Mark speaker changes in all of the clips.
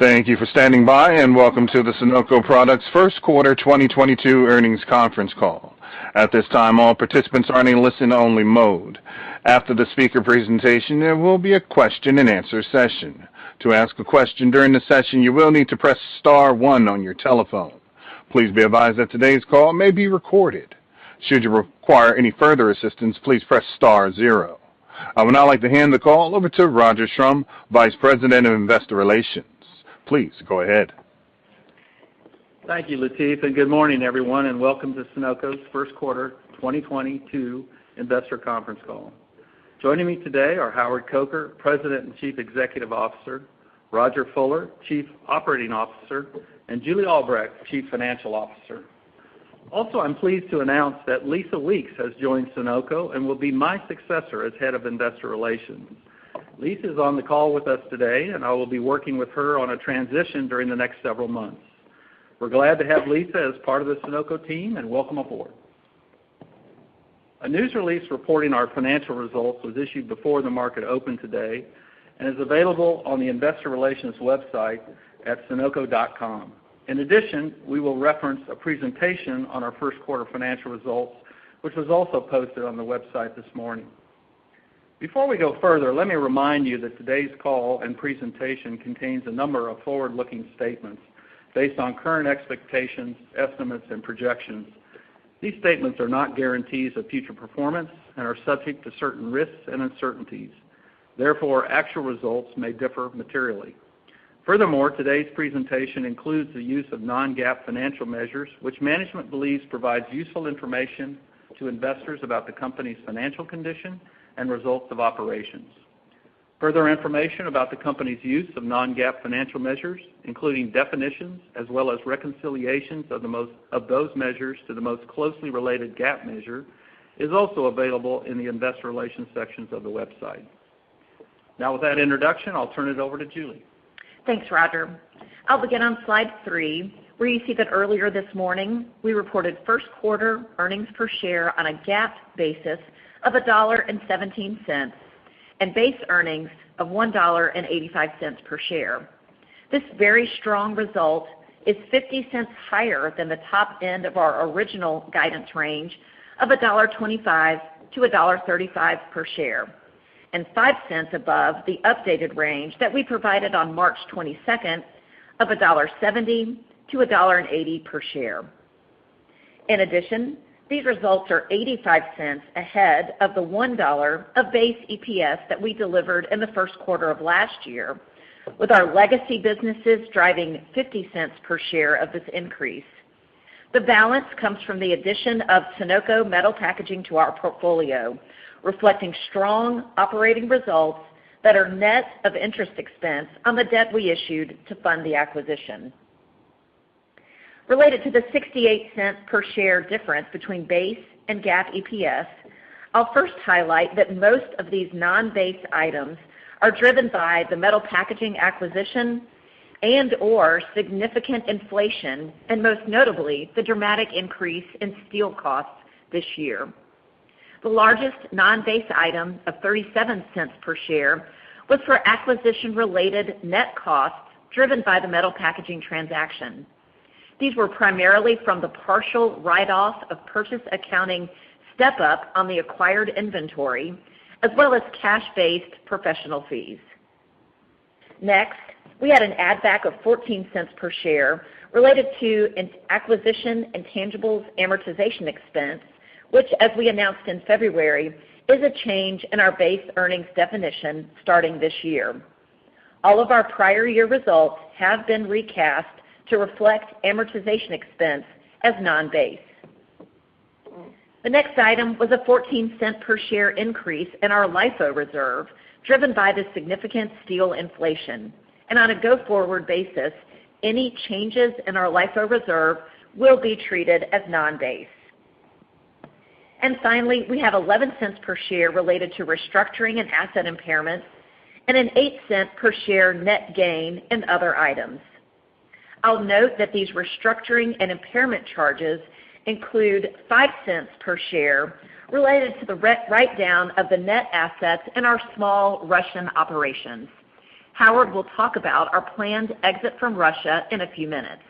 Speaker 1: Thank you for standing by, and welcome to the Sonoco Products First Quarter 2022 Earnings Conference Call. At this time, all participants are in a listen only mode. After the speaker presentation, there will be a question-and-answer session. To ask a question during the session, you will need to press star one on your telephone. Please be advised that today's call may be recorded. Should you require any further assistance, please press star zero. I would now like to hand the call over to Roger Schrum, Vice President of Investor Relations. Please go ahead.
Speaker 2: Thank you, Latif, and good morning, everyone, and welcome to Sonoco's First Quarter 2022 Investor Conference Call. Joining me today are Howard Coker, President and Chief Executive Officer, Rodger Fuller, Chief Operating Officer, and Julie Albrecht, Chief Financial Officer. Also, I'm pleased to announce that Lisa Weeks has joined Sonoco and will be my successor as Head of Investor Relations. Lisa is on the call with us today, and I will be working with her on a transition during the next several months. We're glad to have Lisa as part of the Sonoco team, and welcome aboard. A news release reporting our financial results was issued before the market opened today and is available on the investor relations website at sonoco.com. In addition, we will reference a presentation on our First Quarter Financial Results, which was also posted on the website this morning. Before we go further, let me remind you that today's call and presentation contains a number of forward-looking statements based on current expectations, estimates, and projections. These statements are not guarantees of future performance and are subject to certain risks and uncertainties. Therefore, actual results may differ materially. Furthermore, today's presentation includes the use of non-GAAP financial measures, which management believes provides useful information to investors about the company's financial condition and results of operations. Further information about the company's use of non-GAAP financial measures, including definitions as well as reconciliations of those measures to the most closely related GAAP measure, is also available in the investor relations sections of the website. Now with that introduction, I'll turn it over to Julie.
Speaker 3: Thanks, Roger. I'll begin on slide three, where you see that earlier this morning, we reported first quarter earnings per share on a GAAP basis of $1.17 and base earnings of $1.85 per share. This very strong result is 50 cents higher than the top end of our original guidance range of $1.25-$1.35 per share and 5 cents above the updated range that we provided on March 22 of $1.70-$1.80 per share. In addition, these results are 85 cents ahead of the $1 of base EPS that we delivered in the first quarter of last year, with our legacy businesses driving 50 cents per share of this increase. The balance comes from the addition of Sonoco Metal Packaging to our portfolio, reflecting strong operating results that are net of interest expense on the debt we issued to fund the acquisition. Related to the $0.68 per share difference between base and GAAP EPS, I'll first highlight that most of these non-base items are driven by the metal packaging acquisition and/or significant inflation, and most notably, the dramatic increase in steel costs this year. The largest non-base item of $0.37 per share was for acquisition-related net costs driven by the metal packaging transaction. These were primarily from the partial write-off of purchase accounting step-up on the acquired inventory, as well as cash-based professional fees. Next, we had an add-back of $0.14 per share related to an acquisition intangibles amortization expense, which, as we announced in February, is a change in our base earnings definition starting this year. All of our prior year results have been recast to reflect amortization expense as non-base. The next item was a $0.14 per share increase in our LIFO reserve, driven by the significant steel inflation. On a go-forward basis, any changes in our LIFO reserve will be treated as non-base. Finally, we have $0.11 per share related to restructuring and asset impairments and an $0.08 per share net gain in other items. I'll note that these restructuring and impairment charges include $0.05 per share related to the re-write-down of the net assets in our small Russian operations. Howard will talk about our planned exit from Russia in a few minutes.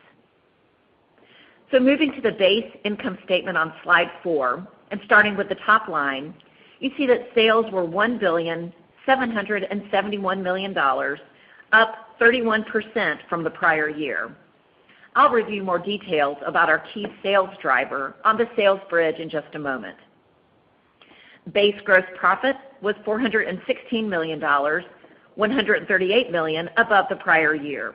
Speaker 3: Moving to the base income statement on slide four and starting with the top line, you see that sales were $1,771 million, up 31% from the prior year. I'll review more details about our key sales driver on the sales bridge in just a moment. Base gross profit was $416 million, $138 million above the prior year.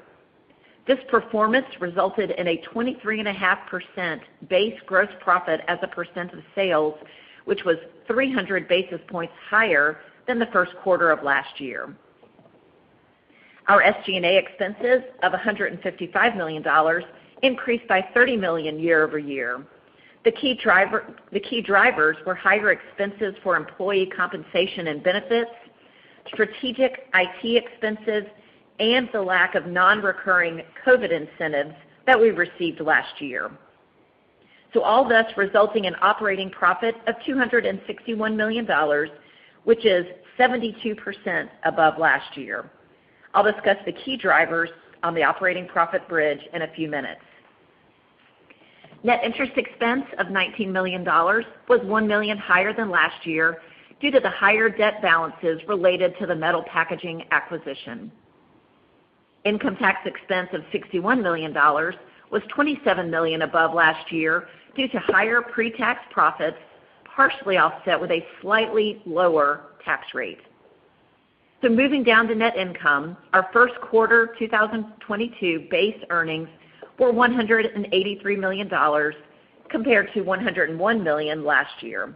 Speaker 3: This performance resulted in a 23.5% base gross profit as a percent of sales, which was 300 basis points higher than the first quarter of last year. Our SG&A expenses of $155 million increased by $30 million year-over-year. The key drivers were higher expenses for employee compensation and benefits, strategic IT expenses, and the lack of non-recurring COVID incentives that we received last year. All this resulting in operating profit of $261 million, which is 72% above last year. I'll discuss the key drivers on the operating profit bridge in a few minutes. Net interest expense of $19 million was $1 million higher than last year due to the higher debt balances related to the metal packaging acquisition. Income tax expense of $61 million was $27 million above last year due to higher pretax profits, partially offset with a slightly lower tax rate. Moving down to net income, our first quarter 2022 base earnings were $183 million compared to $101 million last year.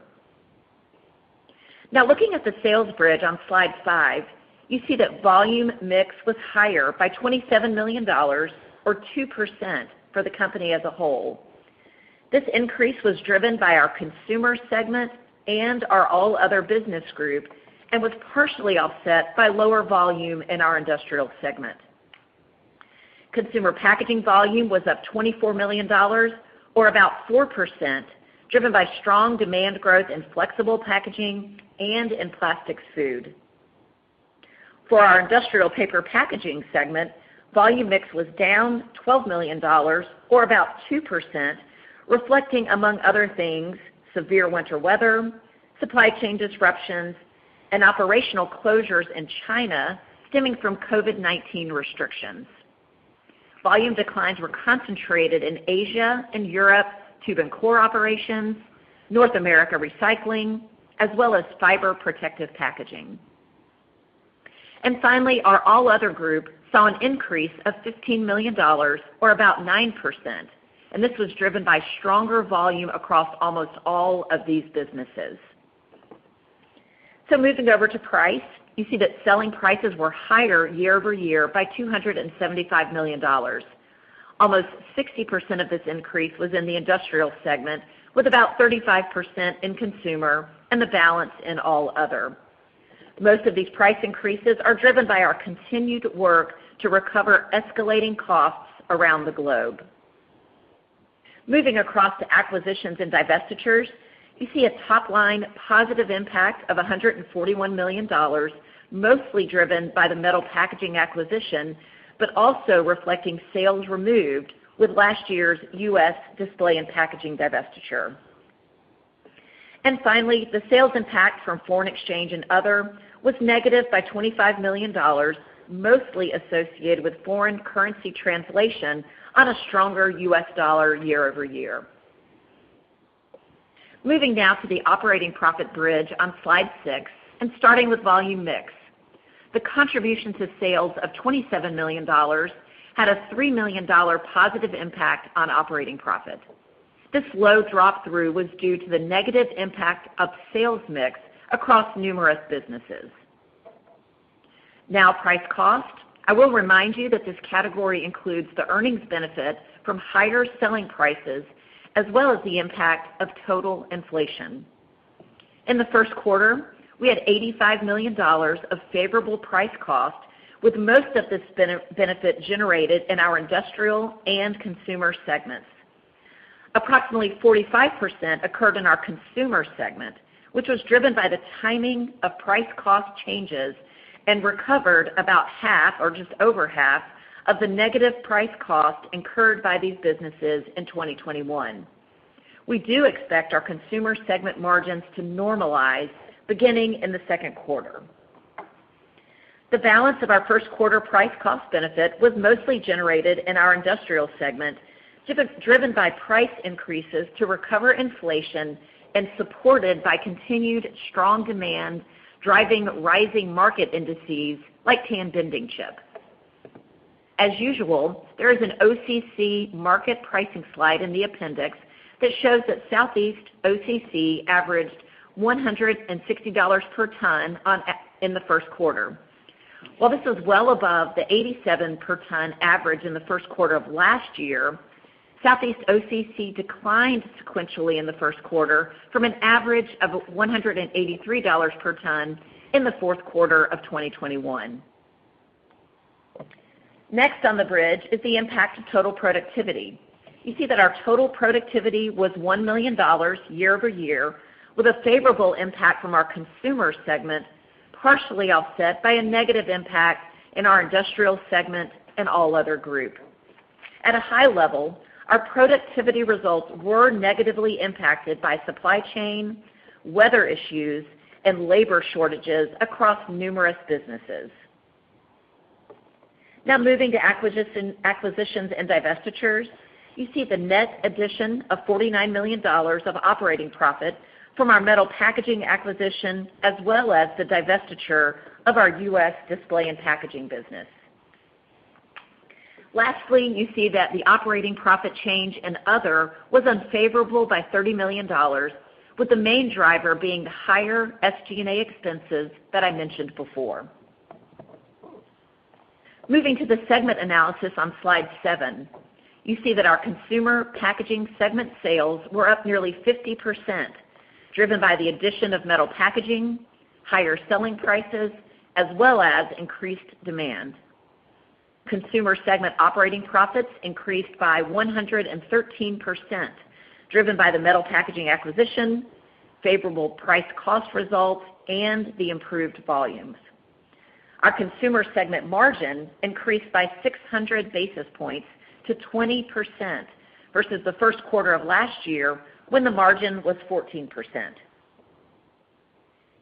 Speaker 3: Now, looking at the sales bridge on Slide 5, you see that volume mix was higher by $27 million or 2% for the company as a whole. This increase was driven by our Consumer segment and our all other business group, and was partially offset by lower volume in our Industrial segment. Consumer Packaging volume was up $24 million or about 4%, driven by strong demand growth in flexible packaging and in plastic food. For our Industrial Paper Packaging segment, volume mix was down $12 million or about 2%, reflecting, among other things, severe winter weather, supply chain disruptions and operational closures in China stemming from COVID-19 restrictions. Volume declines were concentrated in Asia and Europe tube and core operations, North America Recycling, as well as fiber protective packaging. Finally, our all other group saw an increase of $15 million or about 9%, and this was driven by stronger volume across almost all of these businesses. Moving over to price, you see that selling prices were higher year-over-year by $275 million. Almost 60% of this increase was in the industrial segment, with about 35% in consumer and the balance in all other. Most of these price increases are driven by our continued work to recover escalating costs around the globe. Moving across to acquisitions and divestitures, you see a top line positive impact of $141 million, mostly driven by the metal packaging acquisition, but also reflecting sales removed with last year's U.S. Display and Packaging divestiture. Finally, the sales impact from foreign exchange and other was negative by $25 million, mostly associated with foreign currency translation on a stronger U.S. dollar year-over-year. Moving now to the operating profit bridge on slide 6 and starting with volume mix. The contributions to sales of $27 million had a $3 million positive impact on operating profit. This low drop through was due to the negative impact of sales mix across numerous businesses. Now price cost. I will remind you that this category includes the earnings benefit from higher selling prices as well as the impact of total inflation. In the first quarter, we had $85 million of favorable price cost, with most of this benefit generated in our industrial and consumer segments. Approximately 45% occurred in our consumer segment, which was driven by the timing of price cost changes and recovered about half or just over half of the negative price cost incurred by these businesses in 2021. We do expect our consumer segment margins to normalize beginning in the second quarter. The balance of our first quarter price cost benefit was mostly generated in our industrial segment, driven by price increases to recover inflation and supported by continued strong demand, driving rising market indices like bending chipboard. As usual, there is an OCC market pricing slide in the appendix that shows that Southeast OCC averaged $160 per ton in the first quarter. While this is well above the 87 per ton average in the first quarter of last year, Southeast OCC declined sequentially in the first quarter from an average of $183 per ton in the fourth quarter of 2021. Next on the bridge is the impact of total productivity. You see that our total productivity was $1 million year-over-year, with a favorable impact from our consumer segment, partially offset by a negative impact in our industrial segment and all other group. At a high level, our productivity results were negatively impacted by supply chain, weather issues and labor shortages across numerous businesses. Now moving to acquisitions and divestitures. You see the net addition of $49 million of operating profit from our metal packaging acquisition, as well as the divestiture of our U.S. Display and Packaging business. Lastly, you see that the operating profit change and other was unfavorable by $30 million, with the main driver being the higher SG&A expenses that I mentioned before. Moving to the segment analysis on Slide 7, you see that our consumer packaging segment sales were up nearly 50%, driven by the addition of metal packaging, higher selling prices as well as increased demand. Consumer segment operating profits increased by 113%, driven by the metal packaging acquisition, favorable price cost results, and the improved volumes. Our consumer segment margin increased by 600 basis points to 20% versus the first quarter of last year when the margin was 14%.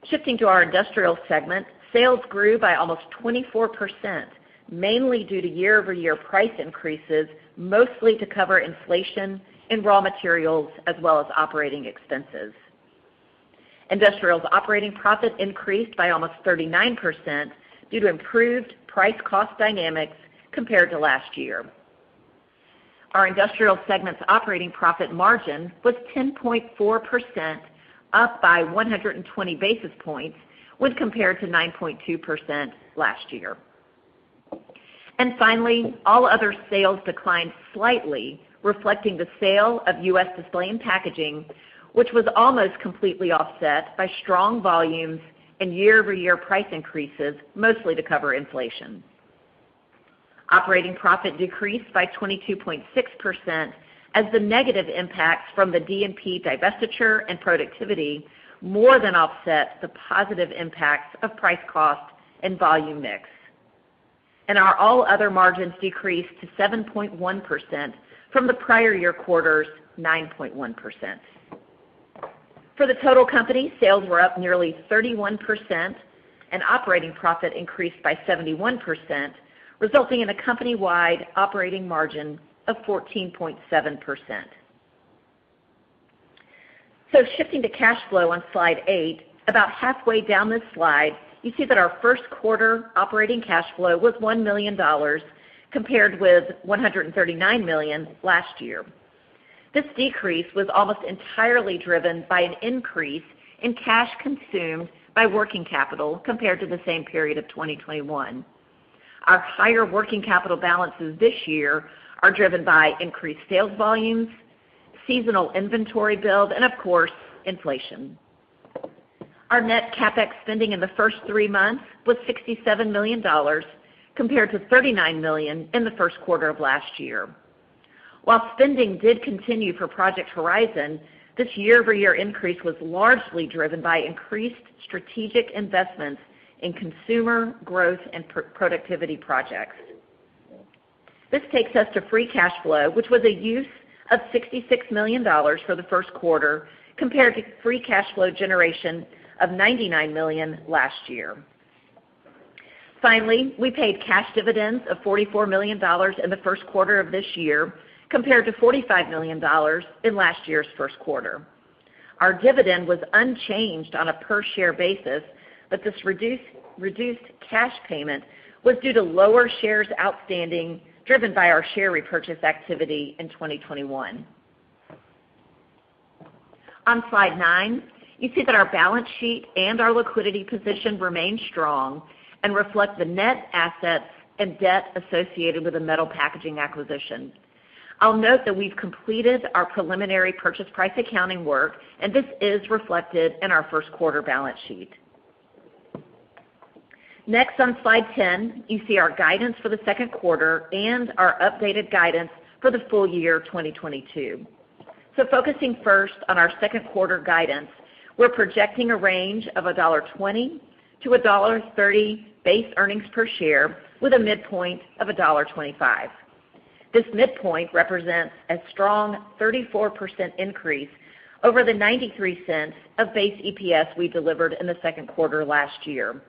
Speaker 3: Shifting to our industrial segment, sales grew by almost 24%, mainly due to year-over-year price increases, mostly to cover inflation in raw materials as well as operating expenses. Industrial's operating profit increased by almost 39% due to improved price cost dynamics compared to last year. Our industrial segment's operating profit margin was 10.4%, up by 120 basis points when compared to 9.2% last year. Finally, all other sales declined slightly, reflecting the sale of U.S. Display and Packaging, which was almost completely offset by strong volumes and year-over-year price increases, mostly to cover inflation. Operating profit decreased by 22.6% as the negative impacts from the DNP divestiture and productivity more than offset the positive impacts of price cost and volume mix. Our all other margins decreased to 7.1% from the prior year quarter's 9.1%. For the total company, sales were up nearly 31% and operating profit increased by 71%, resulting in a company-wide operating margin of 14.7%. Shifting to cash flow on slide eight, about halfway down this slide, you see that our first quarter operating cash flow was $1 million compared with $139 million last year. This decrease was almost entirely driven by an increase in cash consumed by working capital compared to the same period of 2021. Our higher working capital balances this year are driven by increased sales volumes, seasonal inventory build, and of course, inflation. Our net CapEx spending in the first three months was $67 million compared to $39 million in the first quarter of last year. While spending did continue for Project Horizon, this year-over-year increase was largely driven by increased strategic investments in consumer growth and productivity projects. This takes us to free cash flow, which was a use of $66 million for the first quarter compared to free cash flow generation of $99 million last year. Finally, we paid cash dividends of $44 million in the first quarter of this year compared to $45 million in last year's first quarter. Our dividend was unchanged on a per share basis, but this reduced cash payment was due to lower shares outstanding, driven by our share repurchase activity in 2021. On slide 9, you see that our balance sheet and our liquidity position remain strong and reflect the net assets and debt associated with the metal packaging acquisition. I'll note that we've completed our preliminary purchase price accounting work, and this is reflected in our first quarter balance sheet. Next, on slide 10, you see our guidance for the second quarter and our updated guidance for the full year 2022. Focusing first on our second quarter guidance, we're projecting a range of $1.20-$1.30 base earnings per share with a midpoint of $1.25. This midpoint represents a strong 34% increase over the $0.93 of base EPS we delivered in the second quarter last year.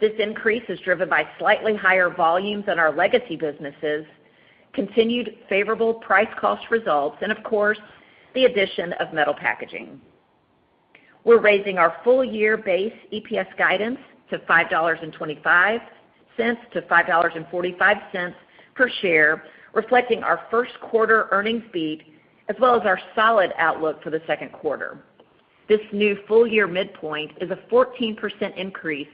Speaker 3: This increase is driven by slightly higher volumes in our legacy businesses, continued favorable price cost results, and of course, the addition of metal packaging. We're raising our full year base EPS guidance to $5.25-$5.45 per share, reflecting our first quarter earnings beat as well as our solid outlook for the second quarter. This new full year midpoint is a 14% increase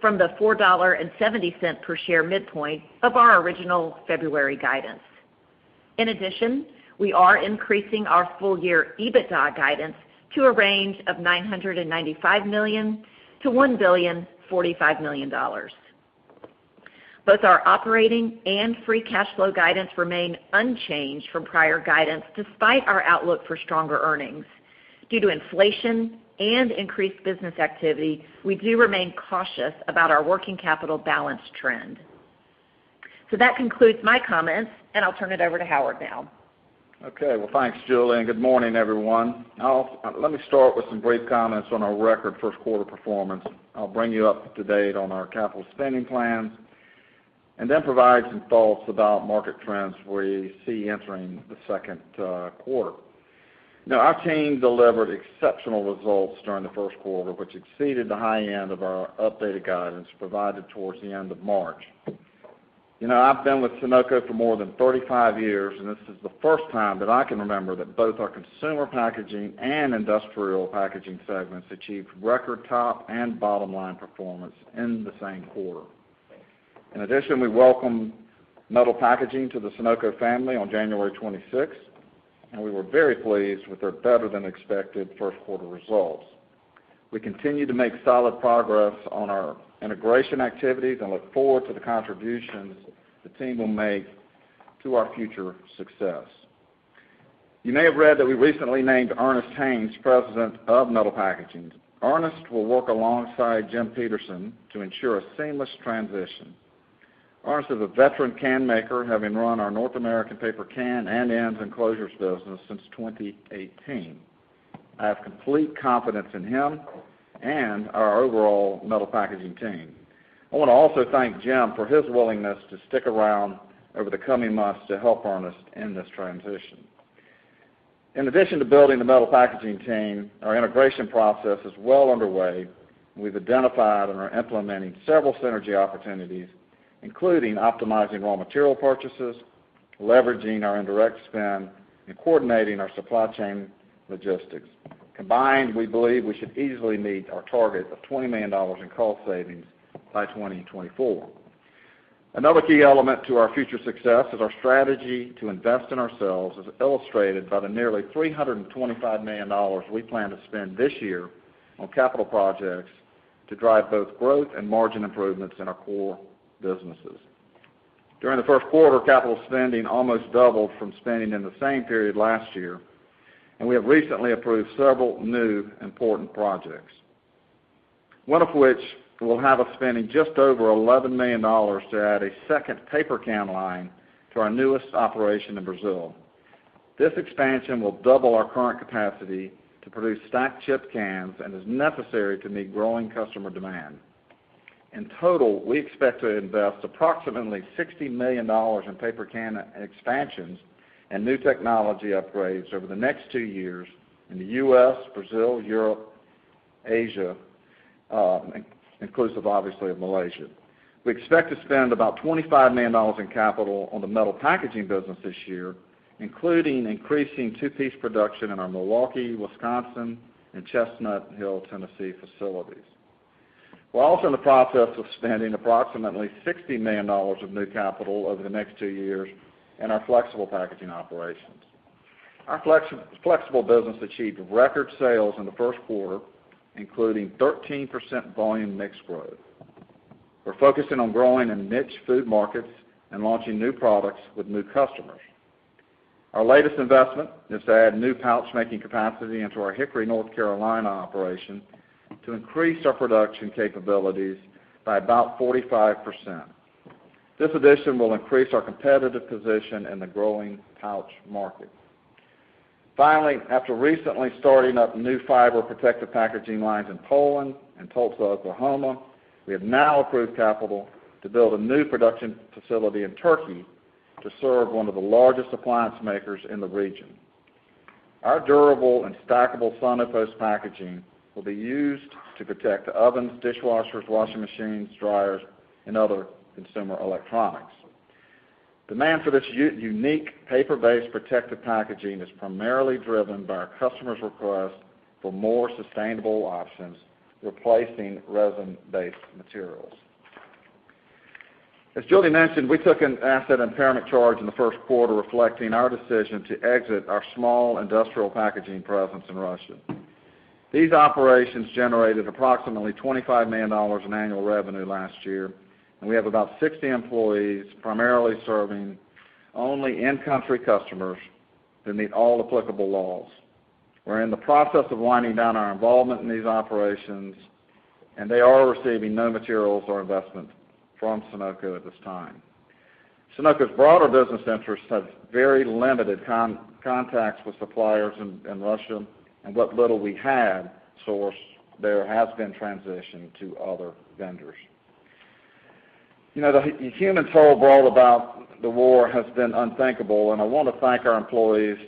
Speaker 3: from the $4.70 per share midpoint of our original February guidance. In addition, we are increasing our full year EBITDA guidance to a range of $995 million-$1,045 million. Both our operating and free cash flow guidance remain unchanged from prior guidance despite our outlook for stronger earnings. Due to inflation and increased business activity, we do remain cautious about our working capital balance trend. That concludes my comments, and I'll turn it over to Howard now.
Speaker 4: Okay. Well, thanks Julie, and good morning, everyone. Let me start with some brief comments on our record first quarter performance. I'll bring you up to date on our capital spending plans and then provide some thoughts about market trends we see entering the second quarter. Our team delivered exceptional results during the first quarter, which exceeded the high end of our updated guidance provided towards the end of March. You know, I've been with Sonoco for more than 35 years, and this is the first time that I can remember that both our consumer packaging and industrial packaging segments achieved record top and bottom line performance in the same quarter. In addition, we welcome Metal Packaging to the Sonoco family on January 26th, and we were very pleased with their better than expected first quarter results. We continue to make solid progress on our integration activities and look forward to the contributions the team will make to our future success. You may have read that we recently named Ernest Haynes President of Metal Packaging. Ernest will work alongside Jim Peterson to ensure a seamless transition. Ernest is a veteran can maker, having run our North American paper can and ends and closures business since 2018. I have complete confidence in him and our overall metal packaging team. I wanna also thank Jim for his willingness to stick around over the coming months to help Ernest in this transition. In addition to building the metal packaging team, our integration process is well underway. We've identified and are implementing several synergy opportunities, including optimizing raw material purchases, leveraging our indirect spend, and coordinating our supply chain logistics. Combined, we believe we should easily meet our target of $20 million in cost savings by 2024. Another key element to our future success is our strategy to invest in ourselves, as illustrated by the nearly $325 million we plan to spend this year on capital projects to drive both growth and margin improvements in our core businesses. During the first quarter, capital spending almost doubled from spending in the same period last year, and we have recently approved several new important projects. One of which will have us spending just over $11 million to add a second paper can line to our newest operation in Brazil. This expansion will double our current capacity to produce stacked chip cans and is necessary to meet growing customer demand. In total, we expect to invest approximately $60 million in paper can expansions and new technology upgrades over the next two years in the U.S., Brazil, Europe, Asia, inclusive obviously of Malaysia. We expect to spend about $25 million in capital on the metal packaging business this year, including increasing two-piece production in our Milwaukee, Wisconsin and Chestnut Hill, Tennessee facilities. We're also in the process of spending approximately $60 million of new capital over the next two years in our flexible packaging operations. Our flexible business achieved record sales in the first quarter, including 13% volume mix growth. We're focusing on growing in niche food markets and launching new products with new customers. Our latest investment is to add new pouch making capacity into our Hickory, North Carolina operation to increase our production capabilities by about 45%. This addition will increase our competitive position in the growing pouch market. Finally, after recently starting up new fiber protective packaging lines in Poland and Tulsa, Oklahoma, we have now approved capital to build a new production facility in Turkey to serve one of the largest appliance makers in the region. Our durable and stackable Sonopost packaging will be used to protect ovens, dishwashers, washing machines, dryers and other consumer electronics. Demand for this unique paper-based protective packaging is primarily driven by our customers' request for more sustainable options, replacing resin-based materials. As Jody mentioned, we took an asset impairment charge in the first quarter reflecting our decision to exit our small industrial packaging presence in Russia. These operations generated approximately $25 million in annual revenue last year, and we have about 60 employees, primarily serving only in-country customers that meet all applicable laws. We're in the process of winding down our involvement in these operations, and they are receiving no materials or investment from Sonoco at this time. Sonoco's broader business interests have very limited contacts with suppliers in Russia, and what little we had sourced there has been transitioned to other vendors. You know, the human toll brought about the war has been unthinkable, and I wanna thank our employees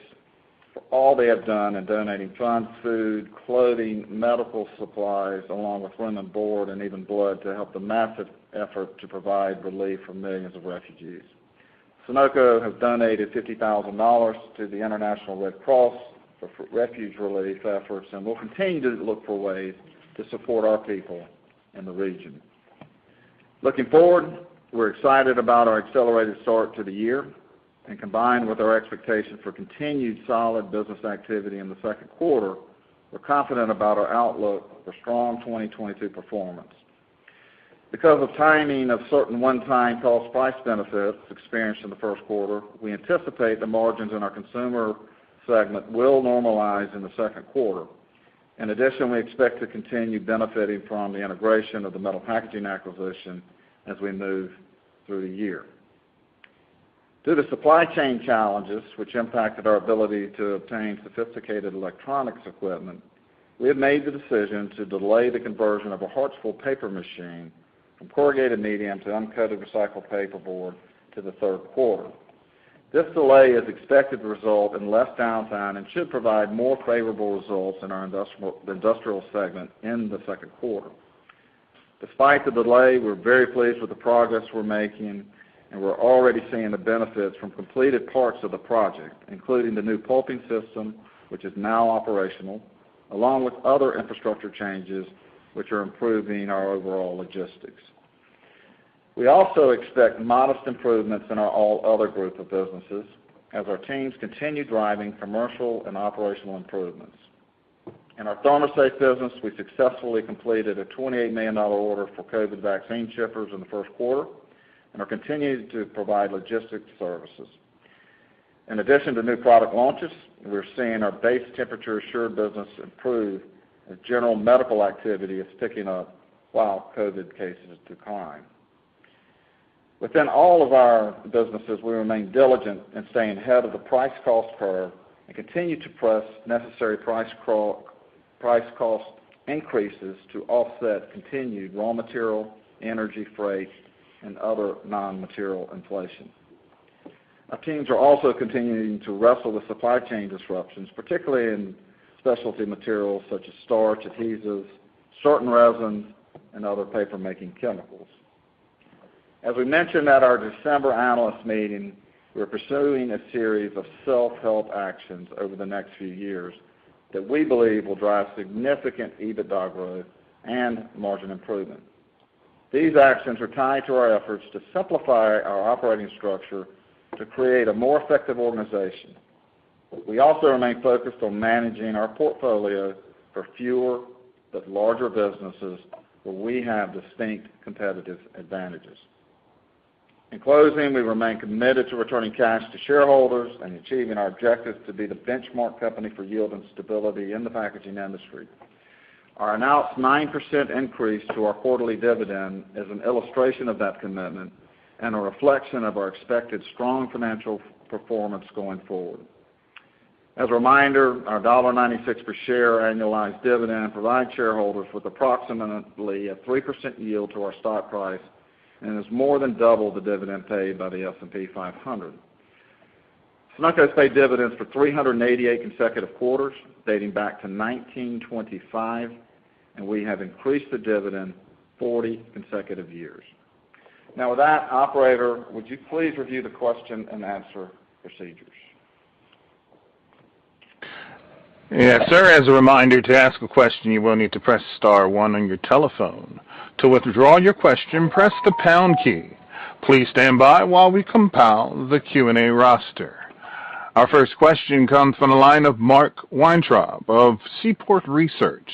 Speaker 4: for all they have done in donating funds, food, clothing, medical supplies, along with room and board, and even blood, to help the massive effort to provide relief for millions of refugees. Sonoco has donated $50,000 to the International RedCross for refugee relief efforts and will continue to look for ways to support our people in the region. Looking forward, we're excited about our accelerated start to the year, and combined with our expectations for continued solid business activity in the second quarter, we're confident about our outlook for strong 2022 performance. Because of timing of certain one-time cost price benefits experienced in the first quarter, we anticipate the margins in our consumer segment will normalize in the second quarter. In addition, we expect to continue benefiting from the integration of the metal packaging acquisition as we move through the year. Due to supply chain challenges which impacted our ability to obtain sophisticated electronics equipment, we have made the decision to delay the conversion of a Hartsville paper machine from corrugated medium to uncoated recycled paperboard to the third quarter. This delay is expected to result in less downtime and should provide more favorable results in our industrial segment in the second quarter. Despite the delay, we're very pleased with the progress we're making, and we're already seeing the benefits from completed parts of the project, including the new pulping system, which is now operational, along with other infrastructure changes, which are improving our overall logistics. We also expect modest improvements in our all other group of businesses as our teams continue driving commercial and operational improvements. In our ThermoSafe business, we successfully completed a $28 million order for COVID vaccine shippers in the first quarter and are continuing to provide logistics services. In addition to new product launches, we're seeing our base temperature assured business improve as general medical activity is picking up while COVID cases decline. Within all of our businesses, we remain diligent in staying ahead of the price cost curve and continue to press necessary price cost increases to offset continued raw material, energy, freight, and other nonmaterial inflation. Our teams are also continuing to wrestle with supply chain disruptions, particularly in specialty materials such as starch, adhesives, certain resins, and other paper-making chemicals. As we mentioned at our December analyst meeting, we're pursuing a series of self-help actions over the next few years that we believe will drive significant EBITDA growth and margin improvement. These actions are tied to our efforts to simplify our operating structure to create a more effective organization. We also remain focused on managing our portfolio for fewer but larger businesses where we have distinct competitive advantages. In closing, we remain committed to returning cash to shareholders and achieving our objective to be the benchmark company for yield and stability in the packaging industry. Our announced 9% increase to our quarterly dividend is an illustration of that commitment and a reflection of our expected strong financial performance going forward. As a reminder, our $1.96 per share annualized dividend provides shareholders with approximately a 3% yield to our stock price and is more than double the dividend paid by the S&P 500. Sonoco has paid dividends for 388 consecutive quarters dating back to 1925, and we have increased the dividend 40 consecutive years. Now, with that, operator, would you please review the question and answer procedures?
Speaker 1: Yes, sir. As a reminder, to ask a question, you will need to press star one on your telephone. To withdraw your question, press the pound key. Please stand by while we compile the Q&A roster. Our first question comes from the line of Mark Weintraub of Seaport Research.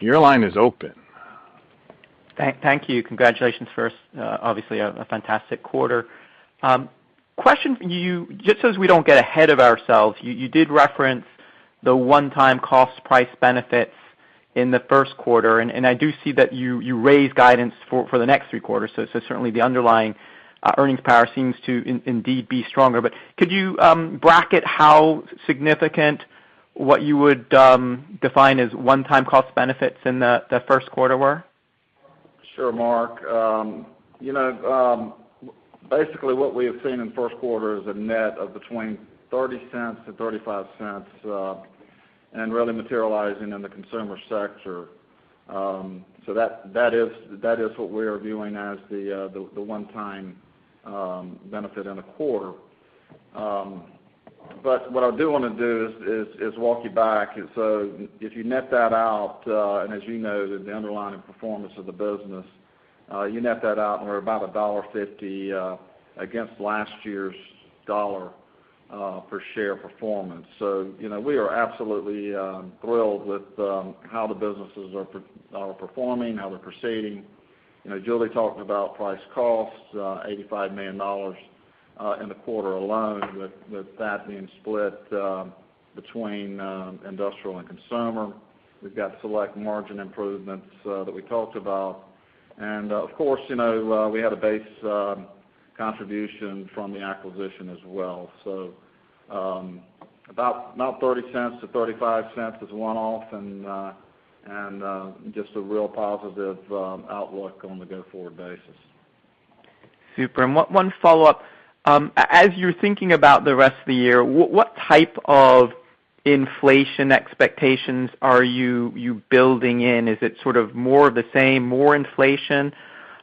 Speaker 1: Your line is open.
Speaker 5: Thank you. Congratulations first. Obviously a fantastic quarter. Just so as we don't get ahead of ourselves, you did reference the one-time cost price benefits in the first quarter, and I do see that you raised guidance for the next three quarters. Certainly the underlying earnings power seems to indeed be stronger. Could you bracket how significant what you would define as one-time cost benefits in the first quarter were?
Speaker 4: Sure, Mark. You know, basically what we have seen in first quarter is a net of between $0.30 and $0.35, and really materializing in the consumer sector. That is what we are viewing as the one-time benefit in the quarter. What I do wanna do is walk you back. If you net that out, and as you know, the underlying performance of the business, you net that out and we're about $1.50 against last year's $1 per share performance. You know, we are absolutely thrilled with how the businesses are performing, how they're proceeding. You know, Julie talked about price costs, $85 million in the quarter alone, with that being split between industrial and consumer. We've got select margin improvements that we talked about. Of course, you know, we had a base contribution from the acquisition as well. About $0.30-$0.35 is one-off and just a real positive outlook on the go-forward basis.
Speaker 5: Super. One follow-up. As you're thinking about the rest of the year, what type of inflation expectations are you building in? Is it sort of more of the same, more inflation?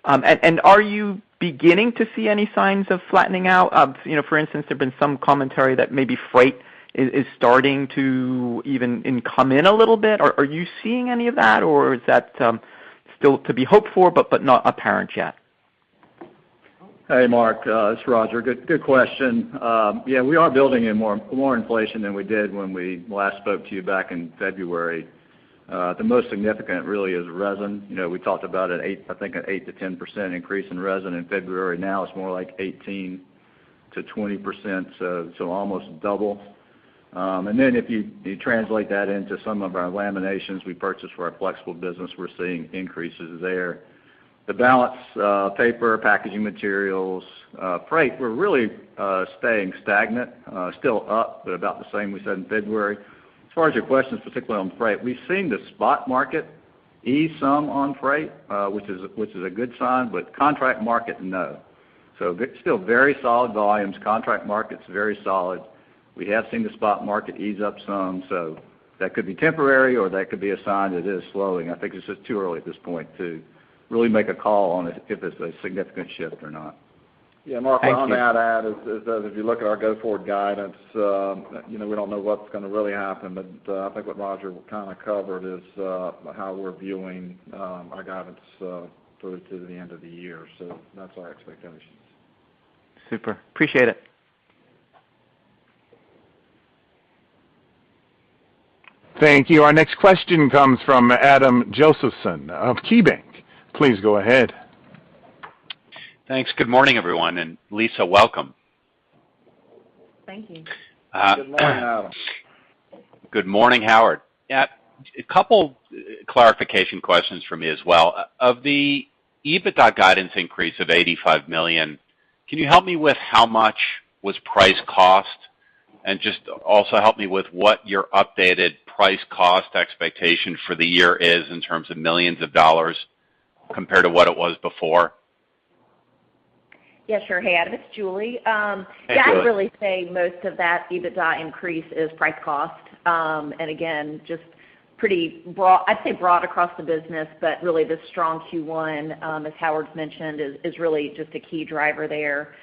Speaker 5: And are you beginning to see any signs of flattening out? You know, for instance, there's been some commentary that maybe freight is starting to come in a little bit. Are you seeing any of that, or is that still to be hoped for, but not apparent yet?
Speaker 2: Hey, Mark, it's Roger. Good question. Yeah, we are building in more inflation than we did when we last spoke to you back in February. The most significant really is resin. You know, we talked about an 8%-10% increase in resin in February. Now, it's more like 18%-20%, so almost double. If you translate that into some of our laminations we purchased for our flexible business, we're seeing increases there. The balance, paper, packaging materials, freight, we're really staying stagnant, still up, but about the same we said in February. As far as your questions, particularly on freight, we've seen the spot market ease some on freight, which is a good sign, but contract market, no. Still very solid volumes. Contract market's very solid. We have seen the spot market ease up some, so that could be temporary or that could be a sign that it is slowing. I think it's just too early at this point to really make a call on it if it's a significant shift or not.
Speaker 4: Yeah, Mark, what I might add is that if you look at our go forward guidance, you know, we don't know what's gonna really happen, but, I think what Roger kind of covered is, how we're viewing, our guidance, through to the end of the year. So that's our expectations.
Speaker 5: Super. Appreciate it.
Speaker 1: Thank you. Our next question comes from Adam Josephson of KeyBank. Please go ahead.
Speaker 6: Thanks. Good morning, everyone. Lisa, welcome.
Speaker 7: Thank you.
Speaker 4: Good morning, Adam.
Speaker 6: Good morning, Howard. Yeah, a couple clarification questions from me as well. Of the EBITDA guidance increase of $85 million, can you help me with how much was price cost? And just also help me with what your updated price cost expectation for the year is in terms of millions of dollars compared to what it was before.
Speaker 3: Yes, sure. Hey, Adam, it's Julie.
Speaker 6: Hi, Julie.
Speaker 3: Yeah, I'd really say most of that EBITDA increase is price cost. Again, just pretty broad, I'd say broad across the business, but really the strong Q1, as Howard's mentioned, is really just a key driver there.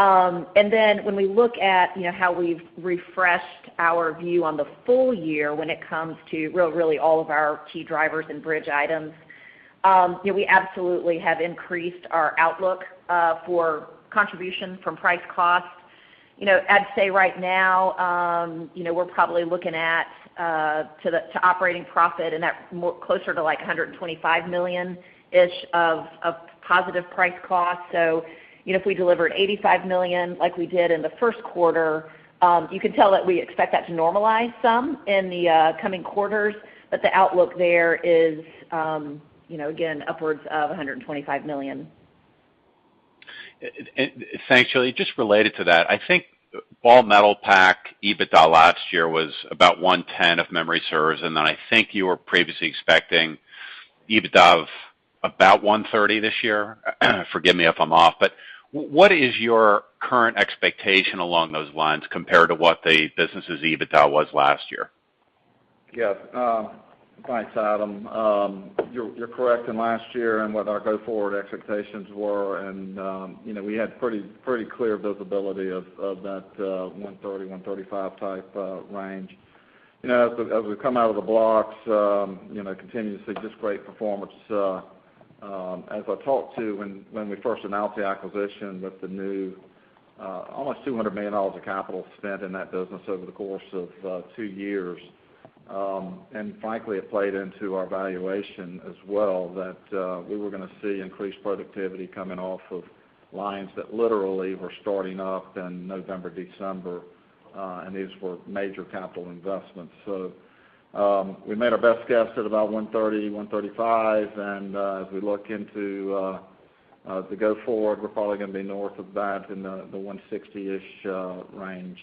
Speaker 3: Then when we look at, you know, how we've refreshed our view on the full year when it comes to really all of our key drivers and bridge items, you know, we absolutely have increased our outlook for contribution from price cost. You know, I'd say right now, you know, we're probably looking at to operating profit and that more closer to like $125 million-ish of positive price cost. You know, if we delivered $85 million like we did in the first quarter, you can tell that we expect that to normalize some in the coming quarters. The outlook there is, you know, again, upwards of $125 million.
Speaker 6: Thanks, Julie. Just related to that, I think Ball Metalpack EBITDA last year was about $110 if memory serves, and then I think you were previously expecting EBITDA of about $130 this year. Forgive me if I'm off, but what is your current expectation along those lines compared to what the business's EBITDA was last year?
Speaker 4: Yes. Thanks, Adam. You're correct in last year and what our go forward expectations were. You know, we had pretty clear visibility of that 130-135 type range. You know, as we've come out of the blocks, you know, continuously just great performance. As I talked about when we first announced the acquisition with the new, almost $200 million of capital spent in that business over the course of 2 years. Frankly, it played into our valuation as well, that we were gonna see increased productivity coming off of lines that literally were starting up in November, December, and these were major capital investments. We made our best guess at about 130-135. As we look into the go forward, we're probably gonna be north of that in the 160-ish range.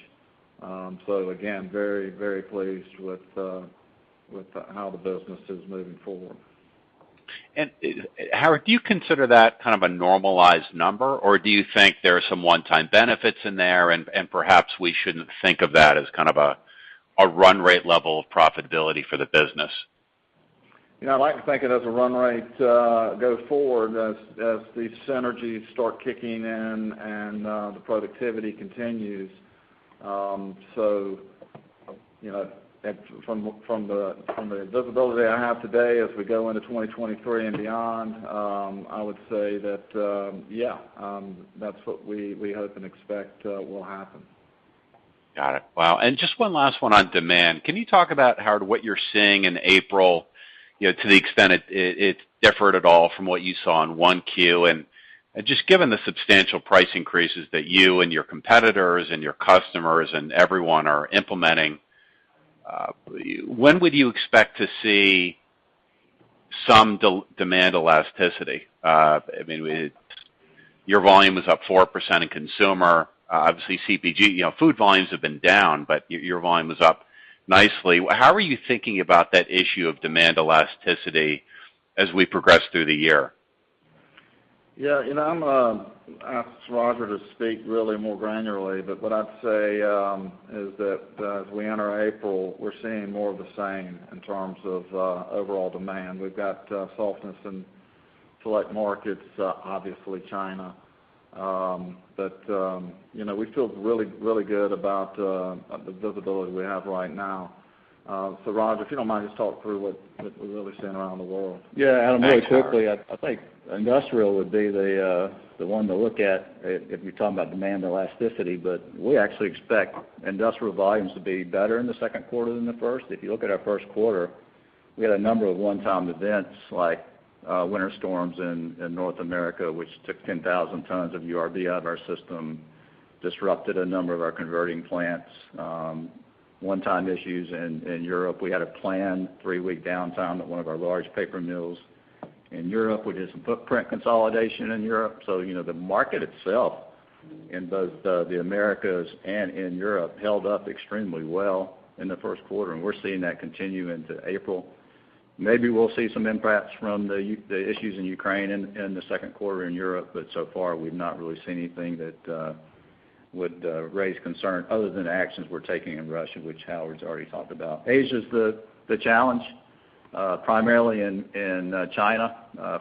Speaker 4: Again, very, very pleased with how the business is moving forward.
Speaker 6: Howard, do you consider that kind of a normalized number, or do you think there are some one-time benefits in there, and perhaps we shouldn't think of that as kind of a run rate level of profitability for the business?
Speaker 4: You know, I'd like to think it as a run rate go forward as these synergies start kicking in and the productivity continues. You know, from the visibility I have today as we go into 2023 and beyond, I would say that yeah, that's what we hope and expect will happen.
Speaker 6: Got it. Wow. Just one last one on demand. Can you talk about, Howard, what you're seeing in April, you know, to the extent it differed at all from what you saw in 1Q? Just given the substantial price increases that you and your competitors and your customers and everyone are implementing, when would you expect to see some demand elasticity? I mean, your volume was up 4% in consumer. Obviously CPG, you know, food volumes have been down, but your volume was up nicely. How are you thinking about that issue of demand elasticity as we progress through the year?
Speaker 4: Yeah. You know, I'm asking Roger to speak really more granularly, but what I'd say is that as we enter April, we're seeing more of the same in terms of overall demand. We've got softness in select markets, obviously China. But you know, we feel really, really good about the visibility we have right now. So Roger, if you don't mind, just talk through what we're really seeing around the world.
Speaker 2: Yeah, Adam, really quickly, I think industrial would be the one to look at if you're talking about demand elasticity. We actually expect industrial volumes to be better in the second quarter than the first. If you look at our first quarter, we had a number of one-time events like winter storms in North America, which took 10,000 tons of URB out of our system, disrupted a number of our converting plants, one-time issues in Europe. We had a planned three-week downtime at one of our large paper mills in Europe. We did some footprint consolidation in Europe. You know, the market itself in both the Americas and in Europe held up extremely well in the first quarter, and we're seeing that continue into April. Maybe we'll see some impacts from the issues in Ukraine in the second quarter in Europe, but so far we've not really seen anything that would raise concern other than actions we're taking in Russia, which Howard's already talked about. Asia is the challenge, primarily in China.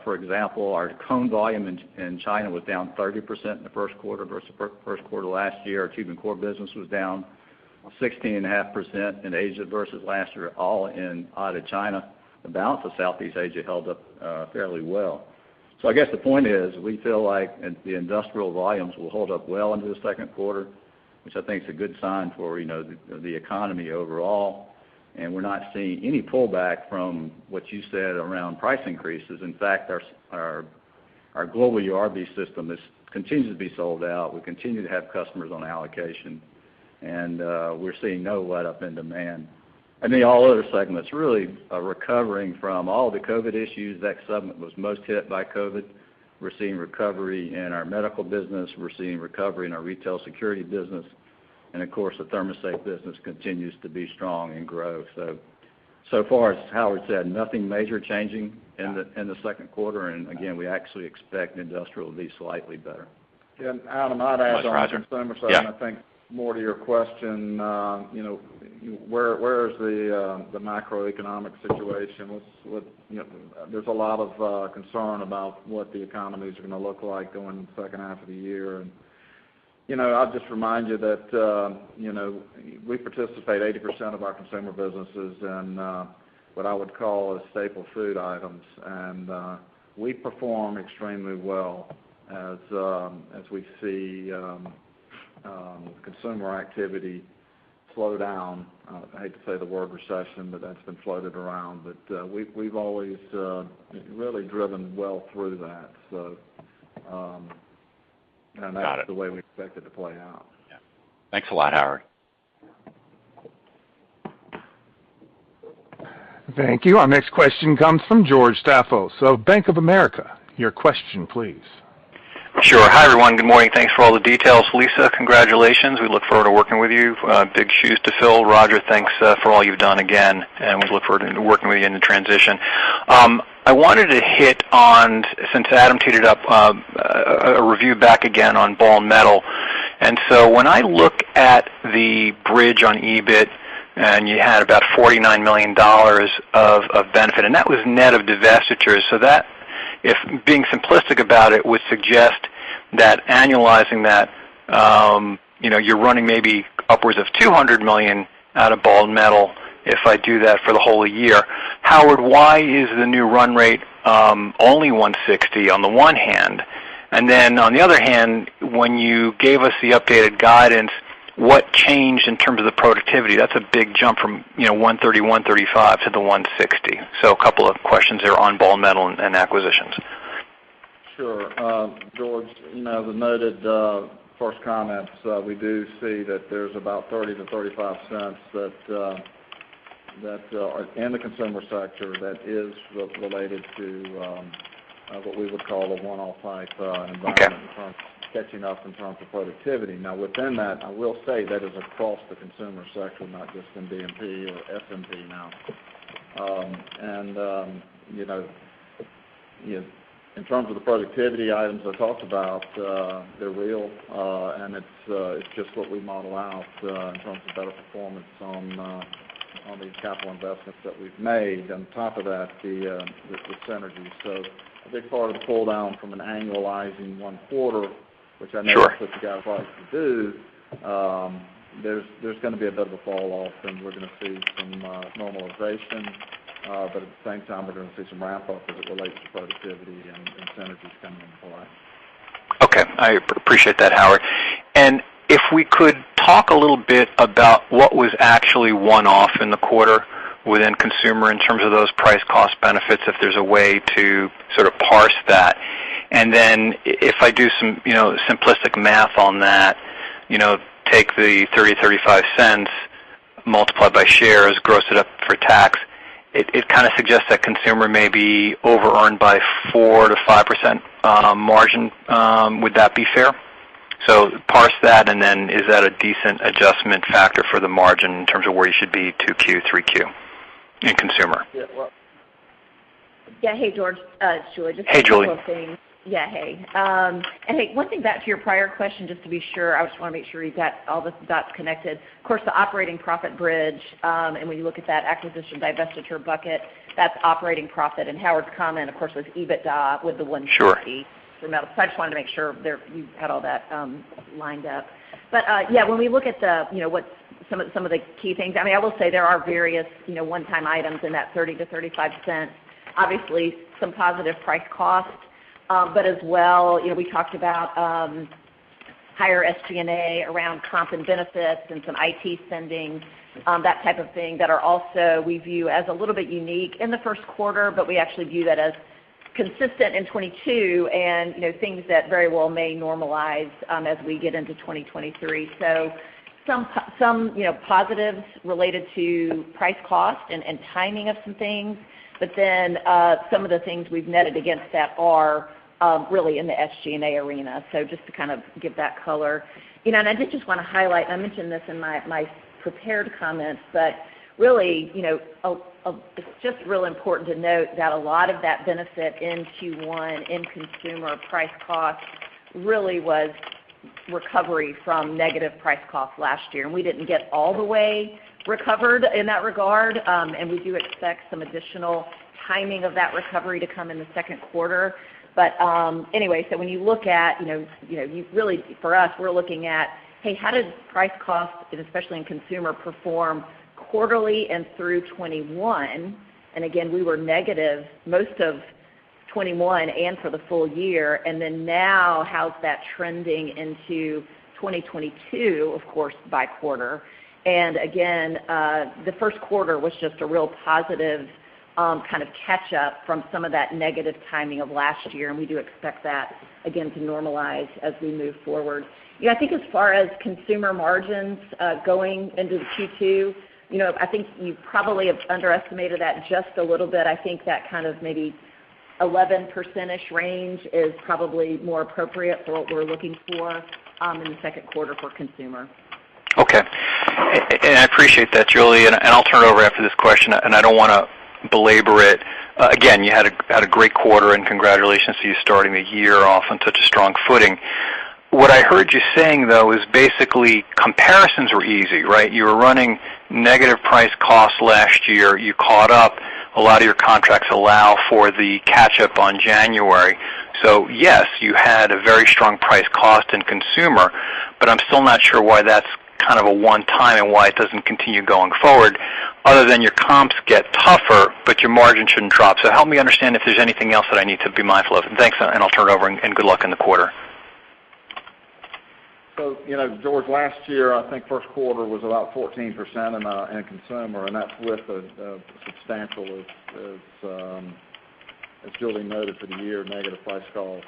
Speaker 2: For example, our cone volume in China was down 30% in the first quarter versus first quarter last year. Our tubing core business was down 16.5% in Asia versus last year, all out of China. The balance of Southeast Asia held up fairly well. I guess the point is, we feel like the industrial volumes will hold up well into the second quarter, which I think is a good sign for you know, the economy overall. We're not seeing any pullback from what you said around price increases. In fact, our global URB system continues to be sold out. We continue to have customers on allocation, and we're seeing no letup in demand. I mean, all other segments really are recovering from all the COVID issues. That segment was most hit by COVID. We're seeing recovery in our medical business. We're seeing recovery in our retail security business. Of course, the ThermoSafe business continues to be strong and grow. So far, as Howard said, nothing major changing in the second quarter, and again, we actually expect industrial to be slightly better.
Speaker 4: Yeah, Adam, I'd add on consumer side.
Speaker 2: Yes, Roger. Yeah
Speaker 4: I think more to your question, you know, where is the macroeconomic situation? You know, there's a lot of concern about what the economy's gonna look like going into the second half of the year. You know, I'll just remind you that, you know, we participate 80% of our consumer businesses in what I would call staple food items. We perform extremely well as we see consumer activity slow down. I hate to say the word recession, but that's been floated around. We've always really driven well through that. And that's
Speaker 2: Got it.
Speaker 4: the way we expect it to play out.
Speaker 2: Yeah.
Speaker 1: Thanks a lot, Howard. Thank you. Our next question comes from George Staphos. Bank of America, your question, please.
Speaker 8: Sure. Hi, everyone. Good morning. Thanks for all the details. Lisa, congratulations. We look forward to working with you. Big shoes to fill. Roger, thanks for all you've done again, and we look forward to working with you in the transition. I wanted to hit on, since Adam teed it up, a review back again on Ball Metalpack. When I look at the bridge on EBIT, and you had about $49 million of benefit, and that was net of divestitures. That, if being simplistic about it, would suggest that annualizing that, you know, you're running maybe upwards of $200 million out of Ball Metalpack if I do that for the whole year. Howard, why is the new run rate only $160 million on the one hand? On the other hand, when you gave us the updated guidance, what changed in terms of the productivity? That's a big jump from, you know, $130, $135 to the $160. A couple of questions there on Ball Metalpack and acquisitions.
Speaker 4: Sure. George Staphos, you know, as I noted, first comment, we do see that there's about $0.30-$0.35 that in the consumer sector that is related to what we would call the one-off type environment-
Speaker 8: Okay
Speaker 4: in terms of catching up in terms of productivity. Now, within that, I will say that is across the consumer sector, not just in DMP or SMP now. You know, in terms of the productivity items I talked about, they're real, and it's just what we model out, in terms of better performance on these capital investments that we've made. On top of that, the synergies. A big part of the pull down from an annualizing 1 quarter, which I know-
Speaker 8: Sure
Speaker 4: that the guys like to do, there's gonna be a bit of a fall off, and we're gonna see some normalization. But at the same time, we're gonna see some ramp up as it relates to productivity and synergies coming into play.
Speaker 8: Okay. I appreciate that, Howard. If we could talk a little bit about what was actually one-off in the quarter within consumer in terms of those price cost benefits, if there's a way to sort of parse that. If I do some, you know, simplistic math on that, you know, take the $0.30-$0.35 multiplied by shares, gross it up for tax, it kinda suggests that consumer may be over earn by 4%-5%, um, margin. Would that be fair? Parse that, and then is that a decent adjustment factor for the margin in terms of where you should be 2Q, 3Q in consumer?
Speaker 3: Yeah, well. Yeah. Hey, George. It's Julie. Just a couple of things.
Speaker 8: Hey, Julie.
Speaker 3: Yeah. Hey. I think one thing back to your prior question, just to be sure, I just wanna make sure we've got all the dots connected. Of course, the operating profit bridge, and when you look at that acquisition divestiture bucket, that's operating profit. Howard's comment, of course, was EBITDA with the 160-
Speaker 8: Sure...
Speaker 3: for metal. I just wanted to make sure there, you had all that lined up. Yeah, when we look at the, you know, what some of the key things, I mean, I will say there are various, you know, one-time items in that $0.30-$0.35. Obviously some positive price costs. As well, you know, we talked about higher SG&A around comp and benefits and some IT spending, that type of thing that we also view as a little bit unique in the first quarter, but we actually view that as consistent in 2022 and, you know, things that very well may normalize as we get into 2023. Some, you know, positives related to price cost and timing of some things. Some of the things we've netted against that are really in the SG&A arena. Just to kind of give that color. You know, I did just wanna highlight, and I mentioned this in my prepared comments, but really, you know, it's just real important to note that a lot of that benefit in Q1 in consumer price-cost really was recovery from negative price-cost last year, and we didn't get all the way recovered in that regard. We do expect some additional timing of that recovery to come in the second quarter. When you look at, you know, for us, we're looking at, hey, how does price-cost, and especially in consumer, perform quarterly and through 2021? Again, we were negative most of 2021 and for the full year. Now how's that trending into 2022, of course, by quarter. The first quarter was just a real positive kind of catch up from some of that negative timing of last year, and we do expect that again to normalize as we move forward. Yeah, I think as far as consumer margins going into the Q2, you know, I think you probably have underestimated that just a little bit. I think that kind of maybe 11%-ish range is probably more appropriate for what we're looking for in the second quarter for consumer.
Speaker 8: Okay. I appreciate that, Julie, and I'll turn it over after this question, and I don't wanna belabor it. Again, you had a great quarter, and congratulations to you starting the year off on such a strong footing. What I heard you saying, though, is basically comparisons were easy, right? You were running negative price cost last year. You caught up. A lot of your contracts allow for the catch up on January. Yes, you had a very strong price cost in consumer, but I'm still not sure why that's kind of a one time and why it doesn't continue going forward other than your comps get tougher, but your margin shouldn't drop. Help me understand if there's anything else that I need to be mindful of. Thanks, and I'll turn it over, and good luck in the quarter.
Speaker 4: You know, George, last year, I think first quarter was about 14% in consumer, and that's with a substantial, as Julie noted for the year, negative price cost.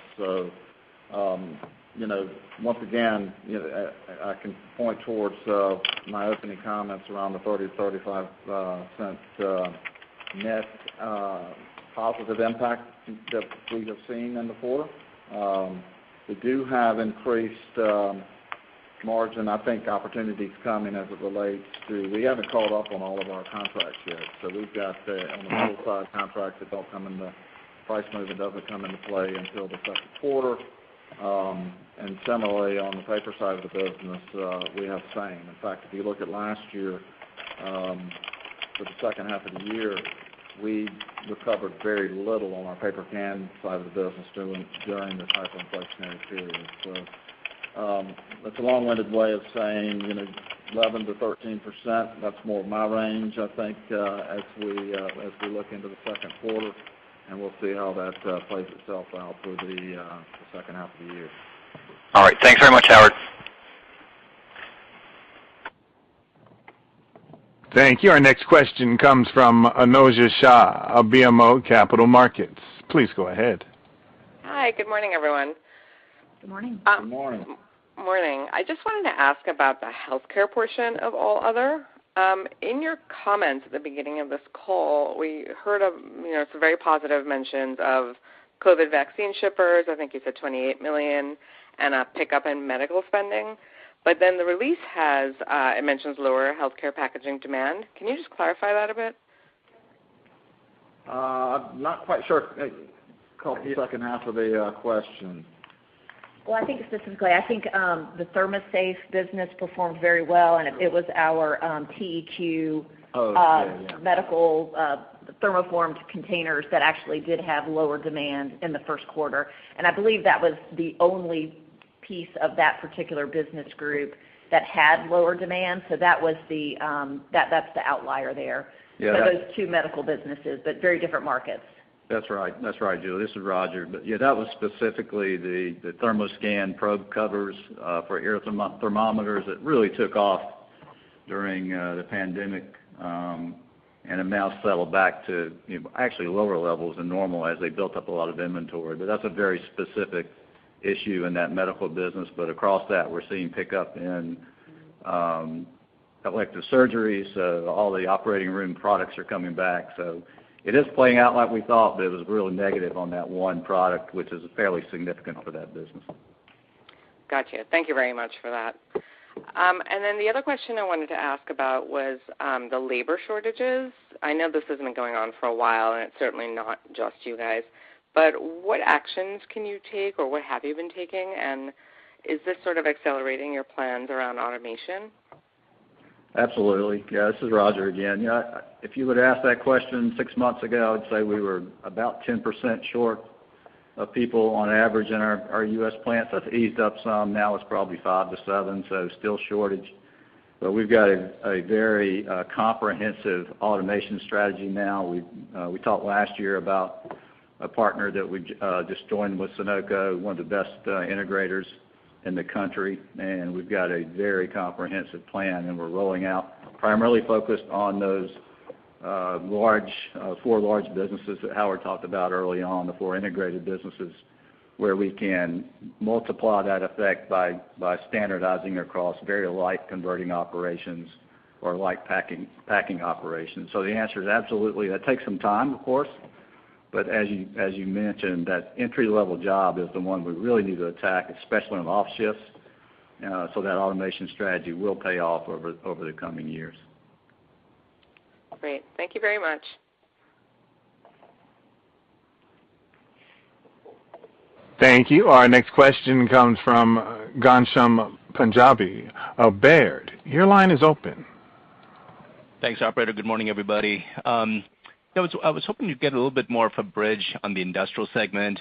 Speaker 4: You know, once again, you know, I can point towards my opening comments around the $0.30-$0.35 net positive impact that we have seen in the quarter. We do have increased margin, I think opportunities coming as it relates to. We haven't caught up on all of our contracts yet, so we've got, on the metal side, contracts that the price move doesn't come into play until the second quarter. Similarly on the paper side of the business, we have the same. In fact, if you look at last year, for the second half of the year, we recovered very little on our paper can side of the business during this hyper-inflationary period. That's a long-winded way of saying, you know, 11%-13%, that's more of my range I think, as we look into the second quarter, and we'll see how that plays itself out through the second half of the year.
Speaker 8: All right. Thanks very much, Howard.
Speaker 1: Thank you. Our next question comes from Anuja Shah of BMO Capital Markets. Please go ahead.
Speaker 9: Hi. Good morning, everyone.
Speaker 3: Good morning.
Speaker 2: Good morning.
Speaker 9: Morning. I just wanted to ask about the healthcare portion of all other. In your comments at the beginning of this call, we heard of, you know, some very positive mentions of COVID vaccine shippers, I think you said 28 million, and a pickup in medical spending. The release mentions lower healthcare packaging demand. Can you just clarify that a bit?
Speaker 4: I'm not quite sure. Call the second half of the question.
Speaker 3: Well, I think specifically, the ThermoSafe business performed very well, and it was our TEQ.
Speaker 4: Oh, okay, yeah.
Speaker 3: Medical thermoformed containers that actually did have lower demand in the first quarter. I believe that was the only piece of that particular business group that had lower demand. That's the outlier there.
Speaker 4: Yeah. Those two medical businesses, but very different markets.
Speaker 2: That's right. That's right, Julie. This is Roger. Yeah, that was specifically the ThermoScan probe covers for ear thermometers that really took off during the pandemic and have now settled back to, you know, actually lower levels than normal as they built up a lot of inventory. That's a very specific issue in that medical business, but across that, we're seeing pickup in elective surgeries. All the operating room products are coming back. It is playing out like we thought, but it was really negative on that one product, which is fairly significant for that business.
Speaker 9: Gotcha. Thank you very much for that. The other question I wanted to ask about was the labor shortages. I know this has been going on for a while, and it's certainly not just you guys. What actions can you take, or what have you been taking? Is this sort of accelerating your plans around automation?
Speaker 2: Absolutely. Yeah. This is Roger again. Yeah, if you would've asked that question six months ago, I'd say we were about 10% short of people on average in our U.S. plants. That's eased up some. Now it's probably 5%-7%, so still shortage. We've got a very comprehensive automation strategy now. We've talked last year about a partner that we just joined with, Sonoco, one of the best integrators in the country. We've got a very comprehensive plan, and we're rolling out, primarily focused on those four large businesses that Howard talked about early on, the four integrated businesses, where we can multiply that effect by standardizing across very light converting operations or light packing operations. The answer is absolutely. That takes some time, of course. As you mentioned, that entry-level job is the one we really need to attack, especially on off-shifts, so that automation strategy will pay off over the coming years.
Speaker 9: Great. Thank you very much.
Speaker 1: Thank you. Our next question comes from, Ghansham Panjabi of Baird. Your line is open.
Speaker 10: Thanks, operator. Good morning, everybody. I was hoping to get a little bit more of a bridge on the industrial segment,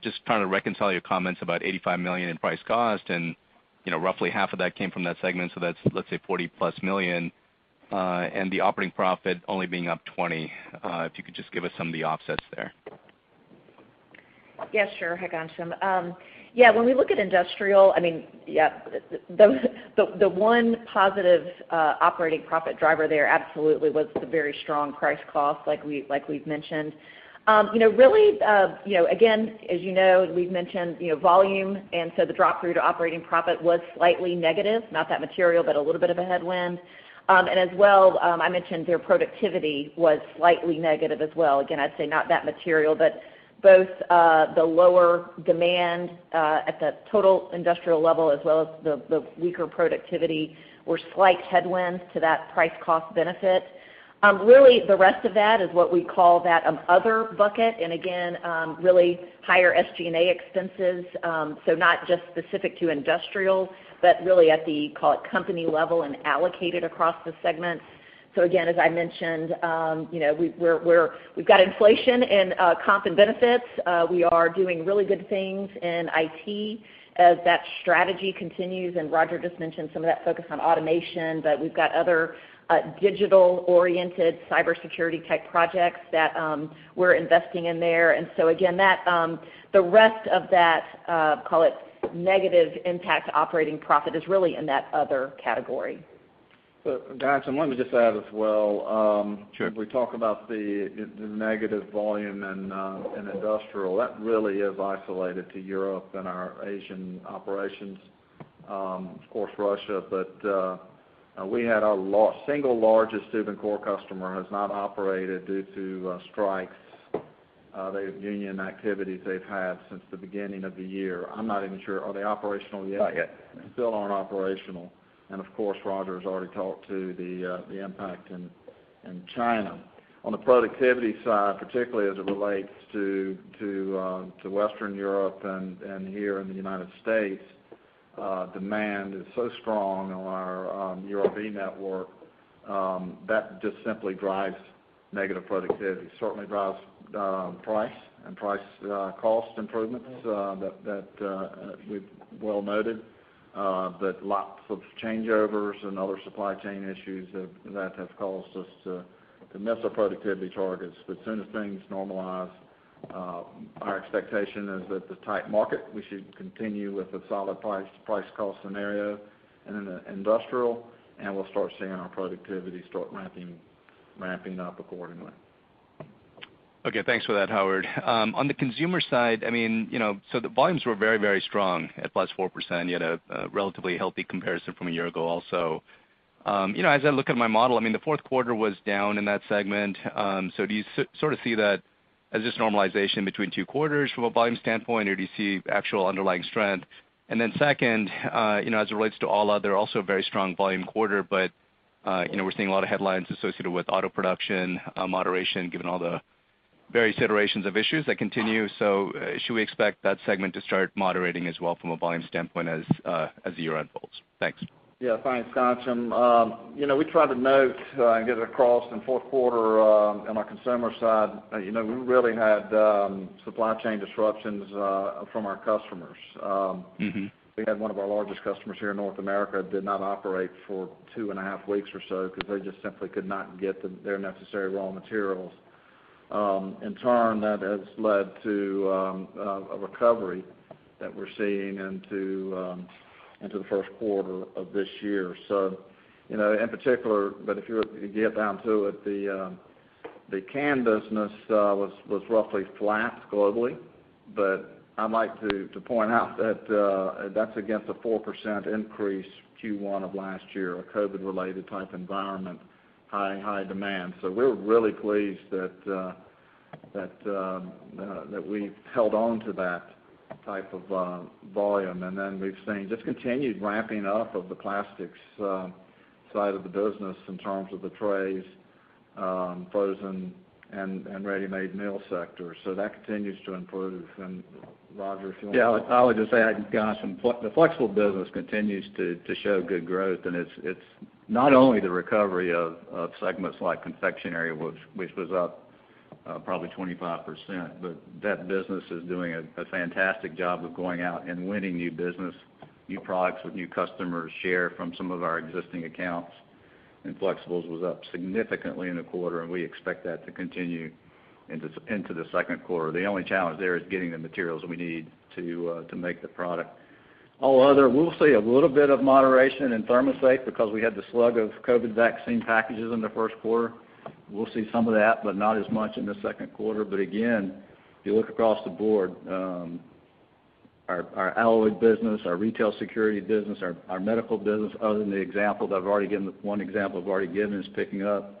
Speaker 10: just trying to reconcile your comments about $85 million in price cost. You know, roughly half of that came from that segment, so that's, let's say $40-plus million, and the operating profit only being up $20. If you could just give us some of the offsets there.
Speaker 3: Yeah, sure. Hi, Ghansham. Yeah, when we look at industrial, I mean, yeah, the one positive operating profit driver there absolutely was the very strong price cost like we've mentioned. You know, really, you know, again, as you know, we've mentioned, you know, volume, so the drop through to operating profit was slightly negative, not that material, but a little bit of a headwind. As well, I mentioned their productivity was slightly negative as well. Again, I'd say not that material, but both the lower demand at the total industrial level as well as the weaker productivity were slight headwinds to that price cost benefit. Really the rest of that is what we call that other bucket, and again, really higher SG&A expenses, so not just specific to industrial, but really at the, call it, company level and allocated across the segments. So again, as I mentioned, you know, we've got inflation in comp and benefits. We are doing really good things in IT as that strategy continues, and Roger just mentioned some of that focus on automation, but we've got other digital-oriented Cybersecurity tech projects that we're investing in there. Again that the rest of that call it negative impact operating profit is really in that other category.
Speaker 4: Ghansham, let me just add as well.
Speaker 10: Sure.
Speaker 4: We talk about the negative volume in industrial. That really is isolated to Europe and our Asian operations, of course, Russia. We had our single largest tube and core customer has not operated due to strikes, the union activities they've had since the beginning of the year. I'm not even sure. Are they operational yet?
Speaker 10: Not yet.
Speaker 4: Still aren't operational. Of course, Roger has already talked about the impact in China. On the productivity side, particularly as it relates to Western Europe and here in the United States, demand is so strong on our European network that just simply drives negative productivity. Certainly drives price and cost improvements that we've well noted. Lots of changeovers and other supply chain issues have caused us to miss our productivity targets. Soon as things normalize, our expectation is that the tight market, we should continue with a solid price cost scenario in the industrial, and we'll start seeing our productivity start ramping up accordingly.
Speaker 10: Okay, thanks for that, Howard. On the consumer side, I mean, you know, the volumes were very, very strong at +4%, you had a relatively healthy comparison from a year ago also. You know, as I look at my model, I mean, the fourth quarter was down in that segment. Do you sort of see that as just normalization between two quarters from a volume standpoint, or do you see actual underlying strength? Second, you know, as it relates to all other, also very strong volume quarter, but, you know, we're seeing a lot of headlines associated with auto production, moderation, given all the various iterations of issues that continue. Should we expect that segment to start moderating as well from a volume standpoint as the year unfolds? Thanks.
Speaker 4: Yeah. Thanks, Ghansham. You know, we tried to note and get it across in fourth quarter on our consumer side. You know, we really had supply chain disruptions from our customers.
Speaker 10: Mm-hmm.
Speaker 4: We had one of our largest customers here in North America did not operate for two and a half weeks or so because they just simply could not get their necessary raw materials. In turn, that has led to a recovery that we're seeing into the first quarter of this year. You know, in particular, but if you were to get down to it, the can business was roughly flat globally. I'd like to point out that that's against a 4% increase Q1 of last year, a COVID-related type environment, high demand. We're really pleased that we've held on to that type of volume. then we've seen just continued ramping up of the plastics side of the business in terms of the trays, frozen and ready-made meal sector. That continues to improve. Roger, if you want to-
Speaker 3: Yeah, I'll just add, Ghansham. The flexible business continues to show good growth, and it's not only the recovery of segments like confectionery, which was up probably 25%, but that business is doing a fantastic job of going out and winning new business, new products with new customers, share from some of our existing accounts. Flexibles was up significantly in the quarter, and we expect that to continue into the second quarter. The only challenge there is getting the materials we need to make the product. All other, we'll see a little bit of moderation in ThermoSafe because we had the slug of COVID vaccine packages in the first quarter. We'll see some of that, but not as much in the second quarter. again, if you look across the board, our alloy business, our retail security business, our medical business, other than the example that I've already given, one example I've already given is picking up.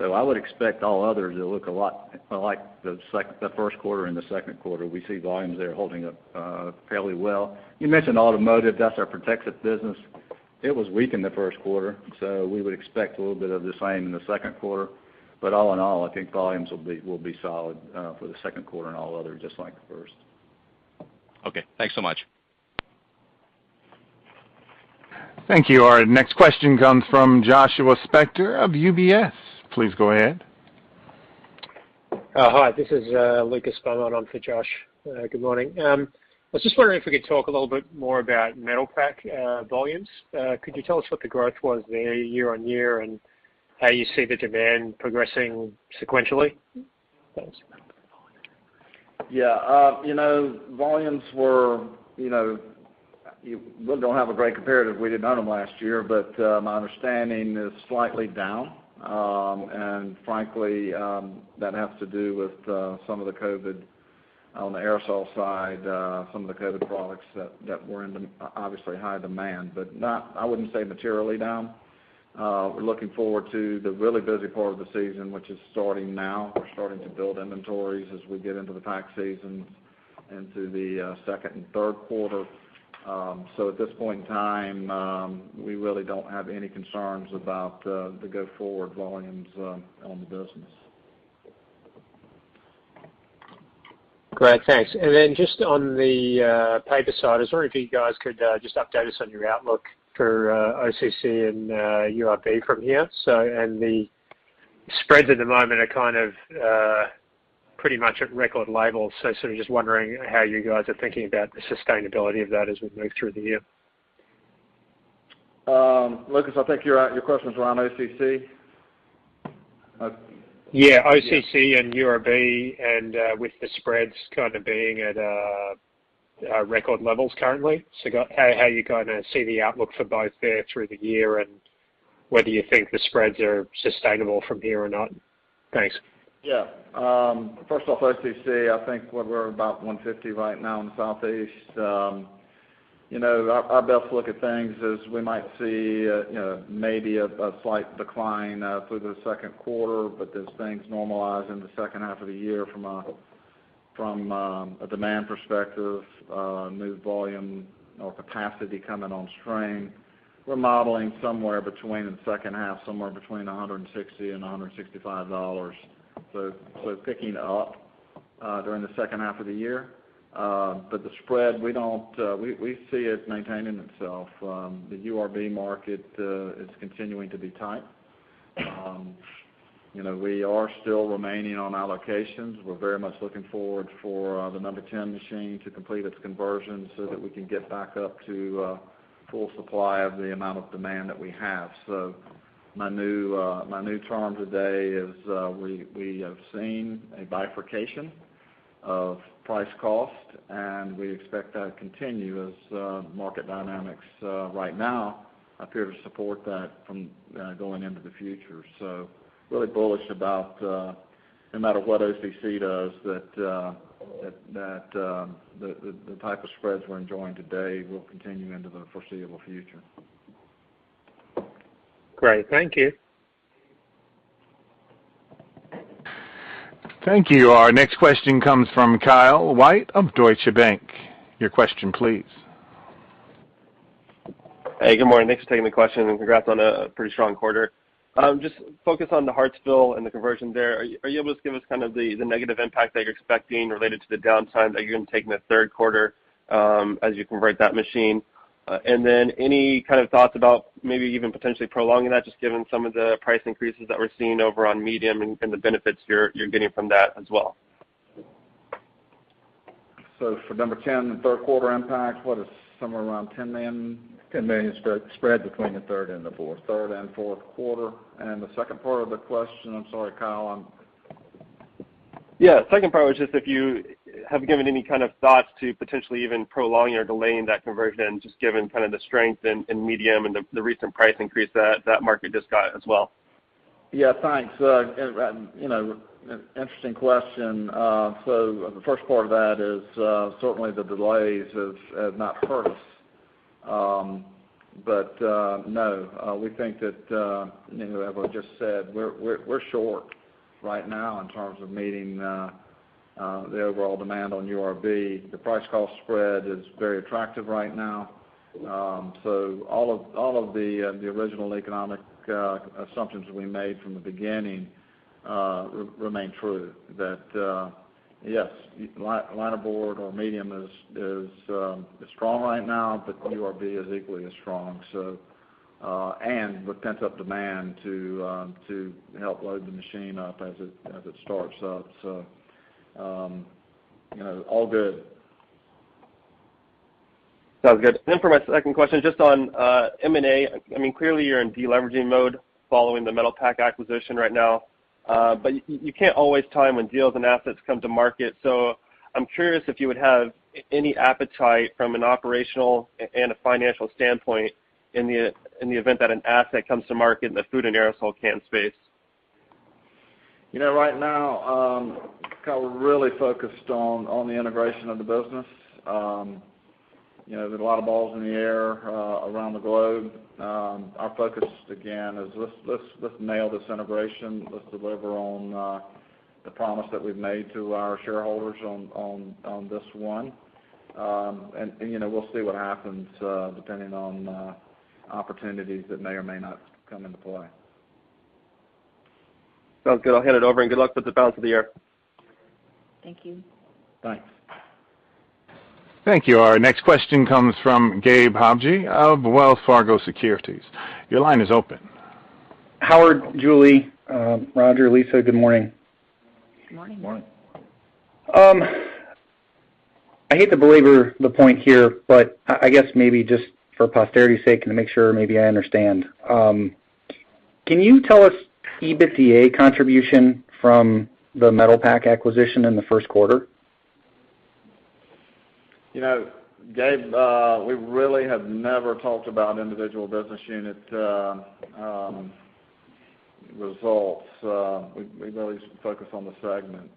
Speaker 3: I would expect all others to look a lot like the first quarter and the second quarter. We see volumes there holding up fairly well. You mentioned automotive. That's our protective business
Speaker 4: It was weak in the first quarter, so we would expect a little bit of the same in the second quarter. But all in all, I think volumes will be solid for the second quarter and all other just like the first.
Speaker 10: Okay. Thanks so much.
Speaker 1: Thank you. Our next question comes from Joshua Spector of UBS. Please go ahead.
Speaker 11: Hi. This is Lucas Beaumont on for Josh. Good morning. I was just wondering if we could talk a little bit more about Metalpack volumes. Could you tell us what the growth was there year-over-year and how you see the demand progressing sequentially?
Speaker 4: Yeah. You know, volumes were, you know, we don't have a great comparative. We didn't own them last year. My understanding is slightly down. Frankly, that has to do with some of the COVID on the aerosol side, some of the COVID products that were in obviously high demand. I wouldn't say materially down. We're looking forward to the really busy part of the season, which is starting now. We're starting to build inventories as we get into the tax season and to the second and third quarter. At this point in time, we really don't have any concerns about the go-forward volumes on the business.
Speaker 11: Great. Thanks. Then just on the paper side, I was wondering if you guys could just update us on your outlook for OCC and URB from here. The spreads at the moment are kind of pretty much at record levels. Sort of just wondering how you guys are thinking about the sustainability of that as we move through the year.
Speaker 4: Lucas, I think your questions were on OCC.
Speaker 11: Yeah. OCC and URB and with the spreads kind of being at record levels currently. How you kind of see the outlook for both there through the year and whether you think the spreads are sustainable from here or not? Thanks.
Speaker 4: Yeah. First off, OCC, I think we're about $150 right now in the Southeast. You know, our best look at things is we might see, you know, maybe a slight decline through the second quarter, but as things normalize in the second half of the year from a demand perspective, new volume or capacity coming on stream. We're modeling somewhere between $160-$165 in the second half. So picking up during the second half of the year. But the spread, we don't, we see it maintaining itself. The URB market is continuing to be tight. You know, we are still remaining on allocations. We're very much looking forward for the number 10 machine to complete its conversion so that we can get back up to full supply of the amount of demand that we have. My new term today is we have seen a bifurcation of price cost, and we expect that to continue as market dynamics right now appear to support that from going into the future. Really bullish about no matter what OCC does, that the type of spreads we're enjoying today will continue into the foreseeable future.
Speaker 11: Great. Thank you.
Speaker 1: Thank you. Our next question comes from Kyle White of Deutsche Bank. Your question please.
Speaker 12: Hey, good morning. Thanks for taking the question, and congrats on a pretty strong quarter. Just focus on the Hartsville and the conversion there. Are you able to give us kind of the negative impact that you're expecting related to the downtime that you're gonna take in the third quarter, as you convert that machine? Any kind of thoughts about maybe even potentially prolonging that, just given some of the price increases that we're seeing over on medium and the benefits you're getting from that as well?
Speaker 4: For number 10, the third quarter impact, what is somewhere around $10 million spread between the third and fourth quarter. The second part of the question? I'm sorry, Kyle, on...
Speaker 12: Yeah. Second part was just if you have given any kind of thoughts to potentially even prolonging or delaying that conversion, just given kind of the strength in medium and the recent price increase that market just got as well?
Speaker 4: Yeah, thanks. You know, an interesting question. The first part of that is certainly the delays have not hurt us. No, we think that, you know, as I just said, we're short right now in terms of meeting the overall demand on URB. The price-cost spread is very attractive right now. All of the original economic assumptions we made from the beginning remain true that yes, Linerboard or medium is strong right now, but URB is equally as strong, with pent-up demand to help load the machine up as it starts up. You know, all good.
Speaker 12: Sounds good. For my second question, just on M&A. I mean, clearly, you're in deleveraging mode following the Ball Metalpack acquisition right now. You can't always time when deals and assets come to market. I'm curious if you would have any appetite from an operational and financial standpoint in the event that an asset comes to market in the food and aerosol can space.
Speaker 4: You know, right now, kind of really focused on the integration of the business. You know, there's a lot of balls in the air around the globe. Our focus again is let's nail this integration. Let's deliver on the promise that we've made to our shareholders on this one. You know, we'll see what happens depending on opportunities that may or may not come into play.
Speaker 12: Sounds good. I'll hand it over and good luck with the Battle of the Year.
Speaker 3: Thank you.
Speaker 4: Thanks.
Speaker 1: Thank you. Our next question comes from Gabe Hajde of Wells Fargo Securities. Your line is open.
Speaker 13: Howard, Julie, Roger, Lisa, good morning.
Speaker 3: Good morning.
Speaker 4: Morning.
Speaker 13: I hate to belabor the point here, but I guess maybe just for posterity's sake and to make sure maybe I understand. Can you tell us EBITDA contribution from the Ball Metalpack acquisition in the first quarter?
Speaker 4: You know, Gabe, we really have never talked about individual business unit results. We really focus on the segment.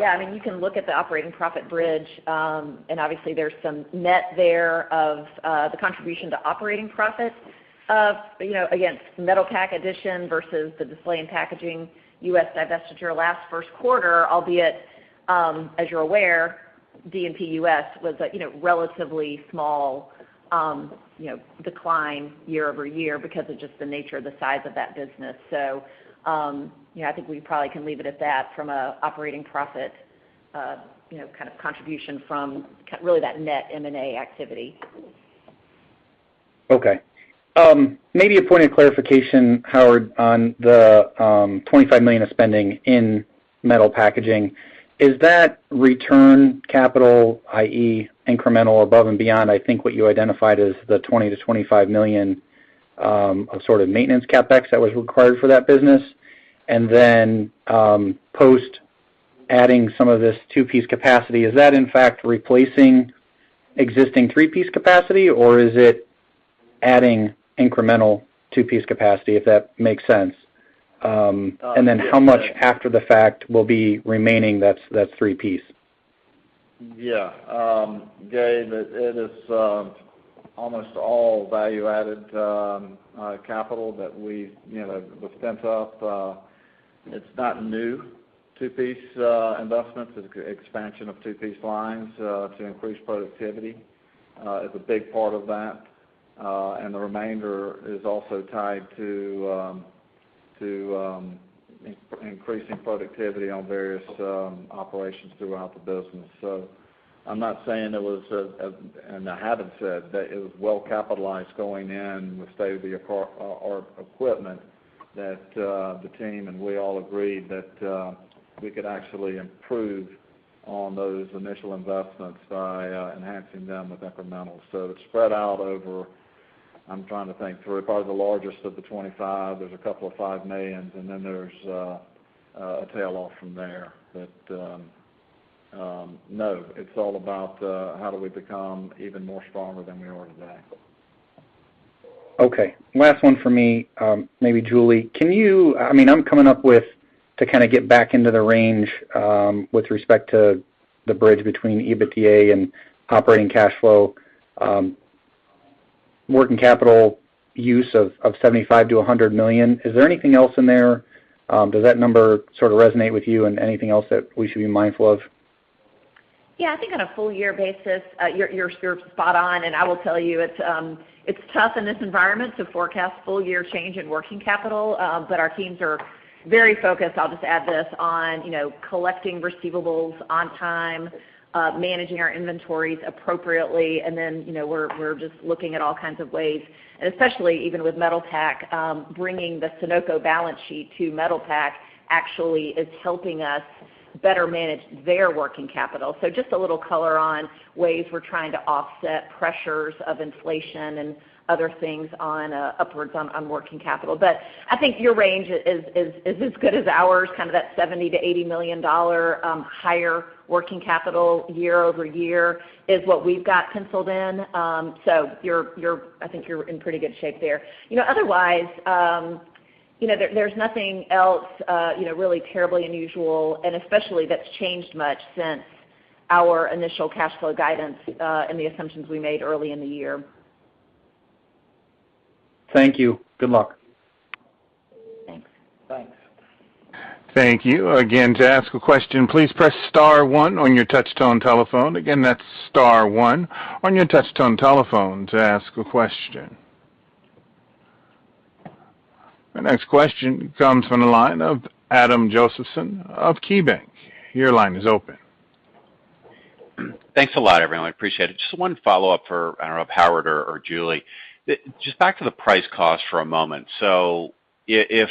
Speaker 3: Yeah, I mean, you can look at the operating profit bridge, and obviously there's some net there of the contribution to operating profit of, you know, against Metalpack addition versus the Display & Packaging U.S. divestiture first quarter, albeit, as you're aware, D&P U.S. was a you know, relatively small you know, decline year over year because of just the nature of the size of that business. I think we probably can leave it at that from a operating profit you know, kind of contribution from really that net M&A activity.
Speaker 13: Okay. Maybe a point of clarification, Howard, on the $25 million of spending in metal packaging. Is that return capital, i.e., incremental above and beyond, I think what you identified as the $20 million-$25 million of sort of maintenance CapEx that was required for that business? And then, post adding some of this two-piece capacity, is that in fact replacing existing three-piece capacity, or is it adding incremental two-piece capacity, if that makes sense? And then how much after the fact will be remaining that's three-piece?
Speaker 4: Yeah. Gabe, it is almost all value-added capital that we've you know spent up. It's not new two-piece investments. It's expansion of two-piece lines to increase productivity is a big part of that. The remainder is also tied to increasing productivity on various operations throughout the business. I'm not saying it was a and I haven't said that it was well capitalized going in with state-of-the-art or equipment that the team and we all agreed that we could actually improve on those initial investments by enhancing them with incremental. It's spread out over, I'm trying to think through probably the largest of the 25. There's a couple of $5 million, and then there's a tail off from there. No, it's all about how do we become even more stronger than we are today.
Speaker 13: Okay. Last one for me, maybe Julie. I mean, I'm coming up with two kind of get back into the range, with respect to the bridge between EBITDA and operating cash flow, working capital use of $75 million-$100 million. Is there anything else in there? Does that number sort of resonate with you and anything else that we should be mindful of?
Speaker 3: Yeah, I think on a full year basis, you're spot on, and I will tell you it's tough in this environment to forecast full year change in working capital, but our teams are very focused. I'll just add this, on you know, collecting receivables on time, managing our inventories appropriately, and then you know, we're just looking at all kinds of ways. Especially even with Ball Metalpack, bringing the Sonoco balance sheet to Ball Metalpack actually is helping us better manage their working capital. Just a little color on ways we're trying to offset pressures of inflation and other things upwards on working capital. I think your range is as good as ours, kind of that $70 million-$80 million higher working capital year-over-year is what we've got penciled in. You're in pretty good shape there. You know, otherwise, you know, there's nothing else, you know, really terribly unusual and especially that's changed much since our initial cash flow guidance, and the assumptions we made early in the year.
Speaker 13: Thank you. Good luck.
Speaker 3: Thanks.
Speaker 4: Thanks.
Speaker 1: Thank you. Again, to ask a question, please press star one on your touch-tone telephone. Again, that's star one on your touchtone telephone to ask a question. Our next question comes from the line of Adam Josephson of KeyBank. Your line is open.
Speaker 6: Thanks a lot, everyone. I appreciate it. Just one follow-up for, I don't know, Howard or Julie. Just back to the price cost for a moment. If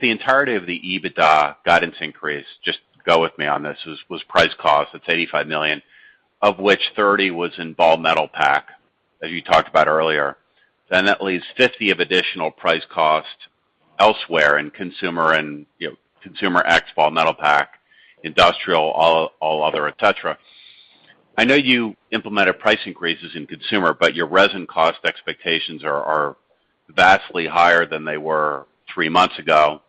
Speaker 6: the entirety of the EBITDA guidance increase, just go with me on this, was price cost, that's $85 million, of which $30 million was in Ball Metalpack, as you talked about earlier, then that leaves $50 million of additional price cost elsewhere in consumer and, you know, consumer ex Ball Metalpack, industrial, all other, et cetera. I know you implemented price increases in consumer, but your resin cost expectations are vastly higher than they were three months ago.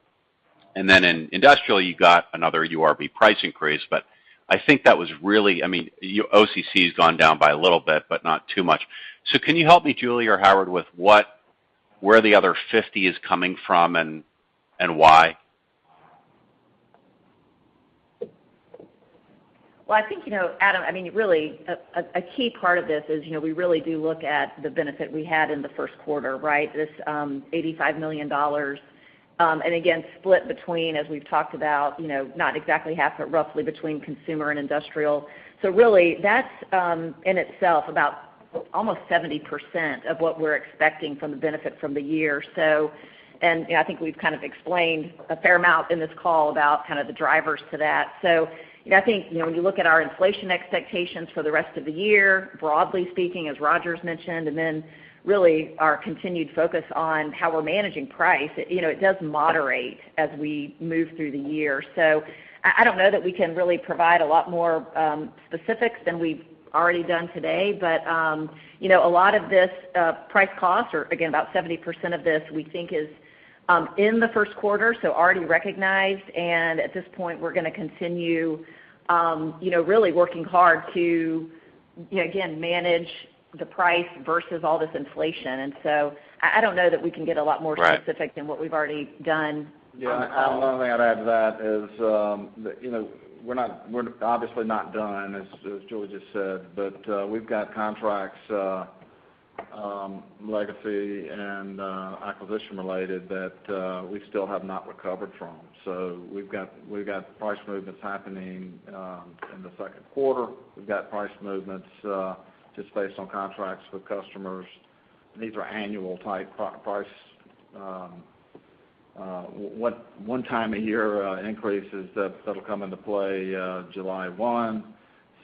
Speaker 6: Then in industrial, you got another URB price increase, but I think that was really, I mean, your OCC has gone down by a little bit, but not too much. Can you help me, Julie or Howard, with where the other 50 is coming from and why?
Speaker 3: Well, I think, you know, Adam, I mean, really a key part of this is, you know, we really do look at the benefit we had in the first quarter, right? This $85 million, and again, split between, as we've talked about, you know, not exactly half, but roughly between consumer and industrial. Really that's in itself about almost 70% of what we're expecting from the benefit from the year. You know, I think we've kind of explained a fair amount in this call about kind of the drivers to that. You know, I think, you know, when you look at our inflation expectations for the rest of the year, broadly speaking, as Roger mentioned, and then really our continued focus on how we're managing price, you know, it does moderate as we move through the year. I don't know that we can really provide a lot more specifics than we've already done today. You know, a lot of this, price cost or again, about 70% of this we think is in the first quarter, so already recognized. At this point, we're gonna continue, you know, really working hard to, you know, again, manage the price versus all this inflation. I don't know that we can get a lot more
Speaker 6: Right.
Speaker 3: specific than what we've already done on the call.
Speaker 4: Yeah. The only thing I'd add to that is that you know, we're obviously not done as Julie just said, but we've got contracts, legacy and acquisition-related that we still have not recovered from. So we've got price movements happening in the second quarter. We've got price movements just based on contracts with customers. These are annual type price one time a year increases that'll come into play July one.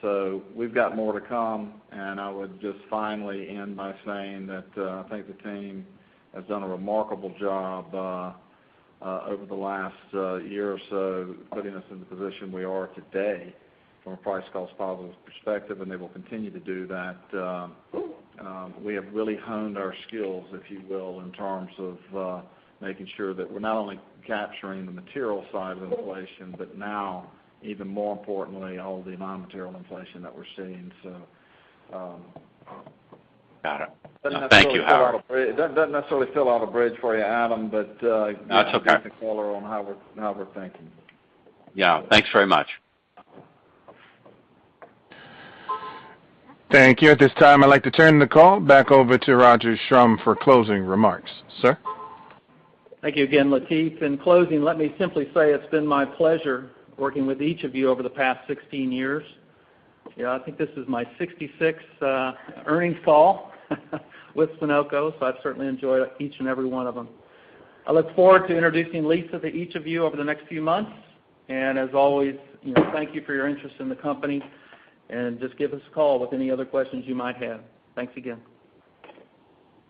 Speaker 4: So we've got more to come. I would just finally end by saying that I think the team has done a remarkable job over the last year or so, putting us in the position we are today from a price cost perspective, and they will continue to do that. We have really honed our skills, if you will, in terms of making sure that we're not only capturing the aterial side of inflation, but now even more importantly, all the non-material inflation that we're seeing.
Speaker 6: Got it. Thank you, Howard.
Speaker 4: It doesn't necessarily fill out a bridge for you, Adam, but.
Speaker 6: No, it's okay.
Speaker 4: Give you the color on how we're thinking.
Speaker 6: Yeah. Thanks very much.
Speaker 1: Thank you. At this time, I'd like to turn the call back over to Roger Schrum for closing remarks. Sir?
Speaker 2: Thank you again, Latif. In closing, let me simply say it's been my pleasure working with each of you over the past 16 years. Yeah, I think this is my 66th earnings call with Sonoco, so I've certainly enjoyed each and every one of them. I look forward to introducing Lisa to each of you over the next few months. As always, you know, thank you for your interest in the company, and just give us a call with any other questions you might have. Thanks again.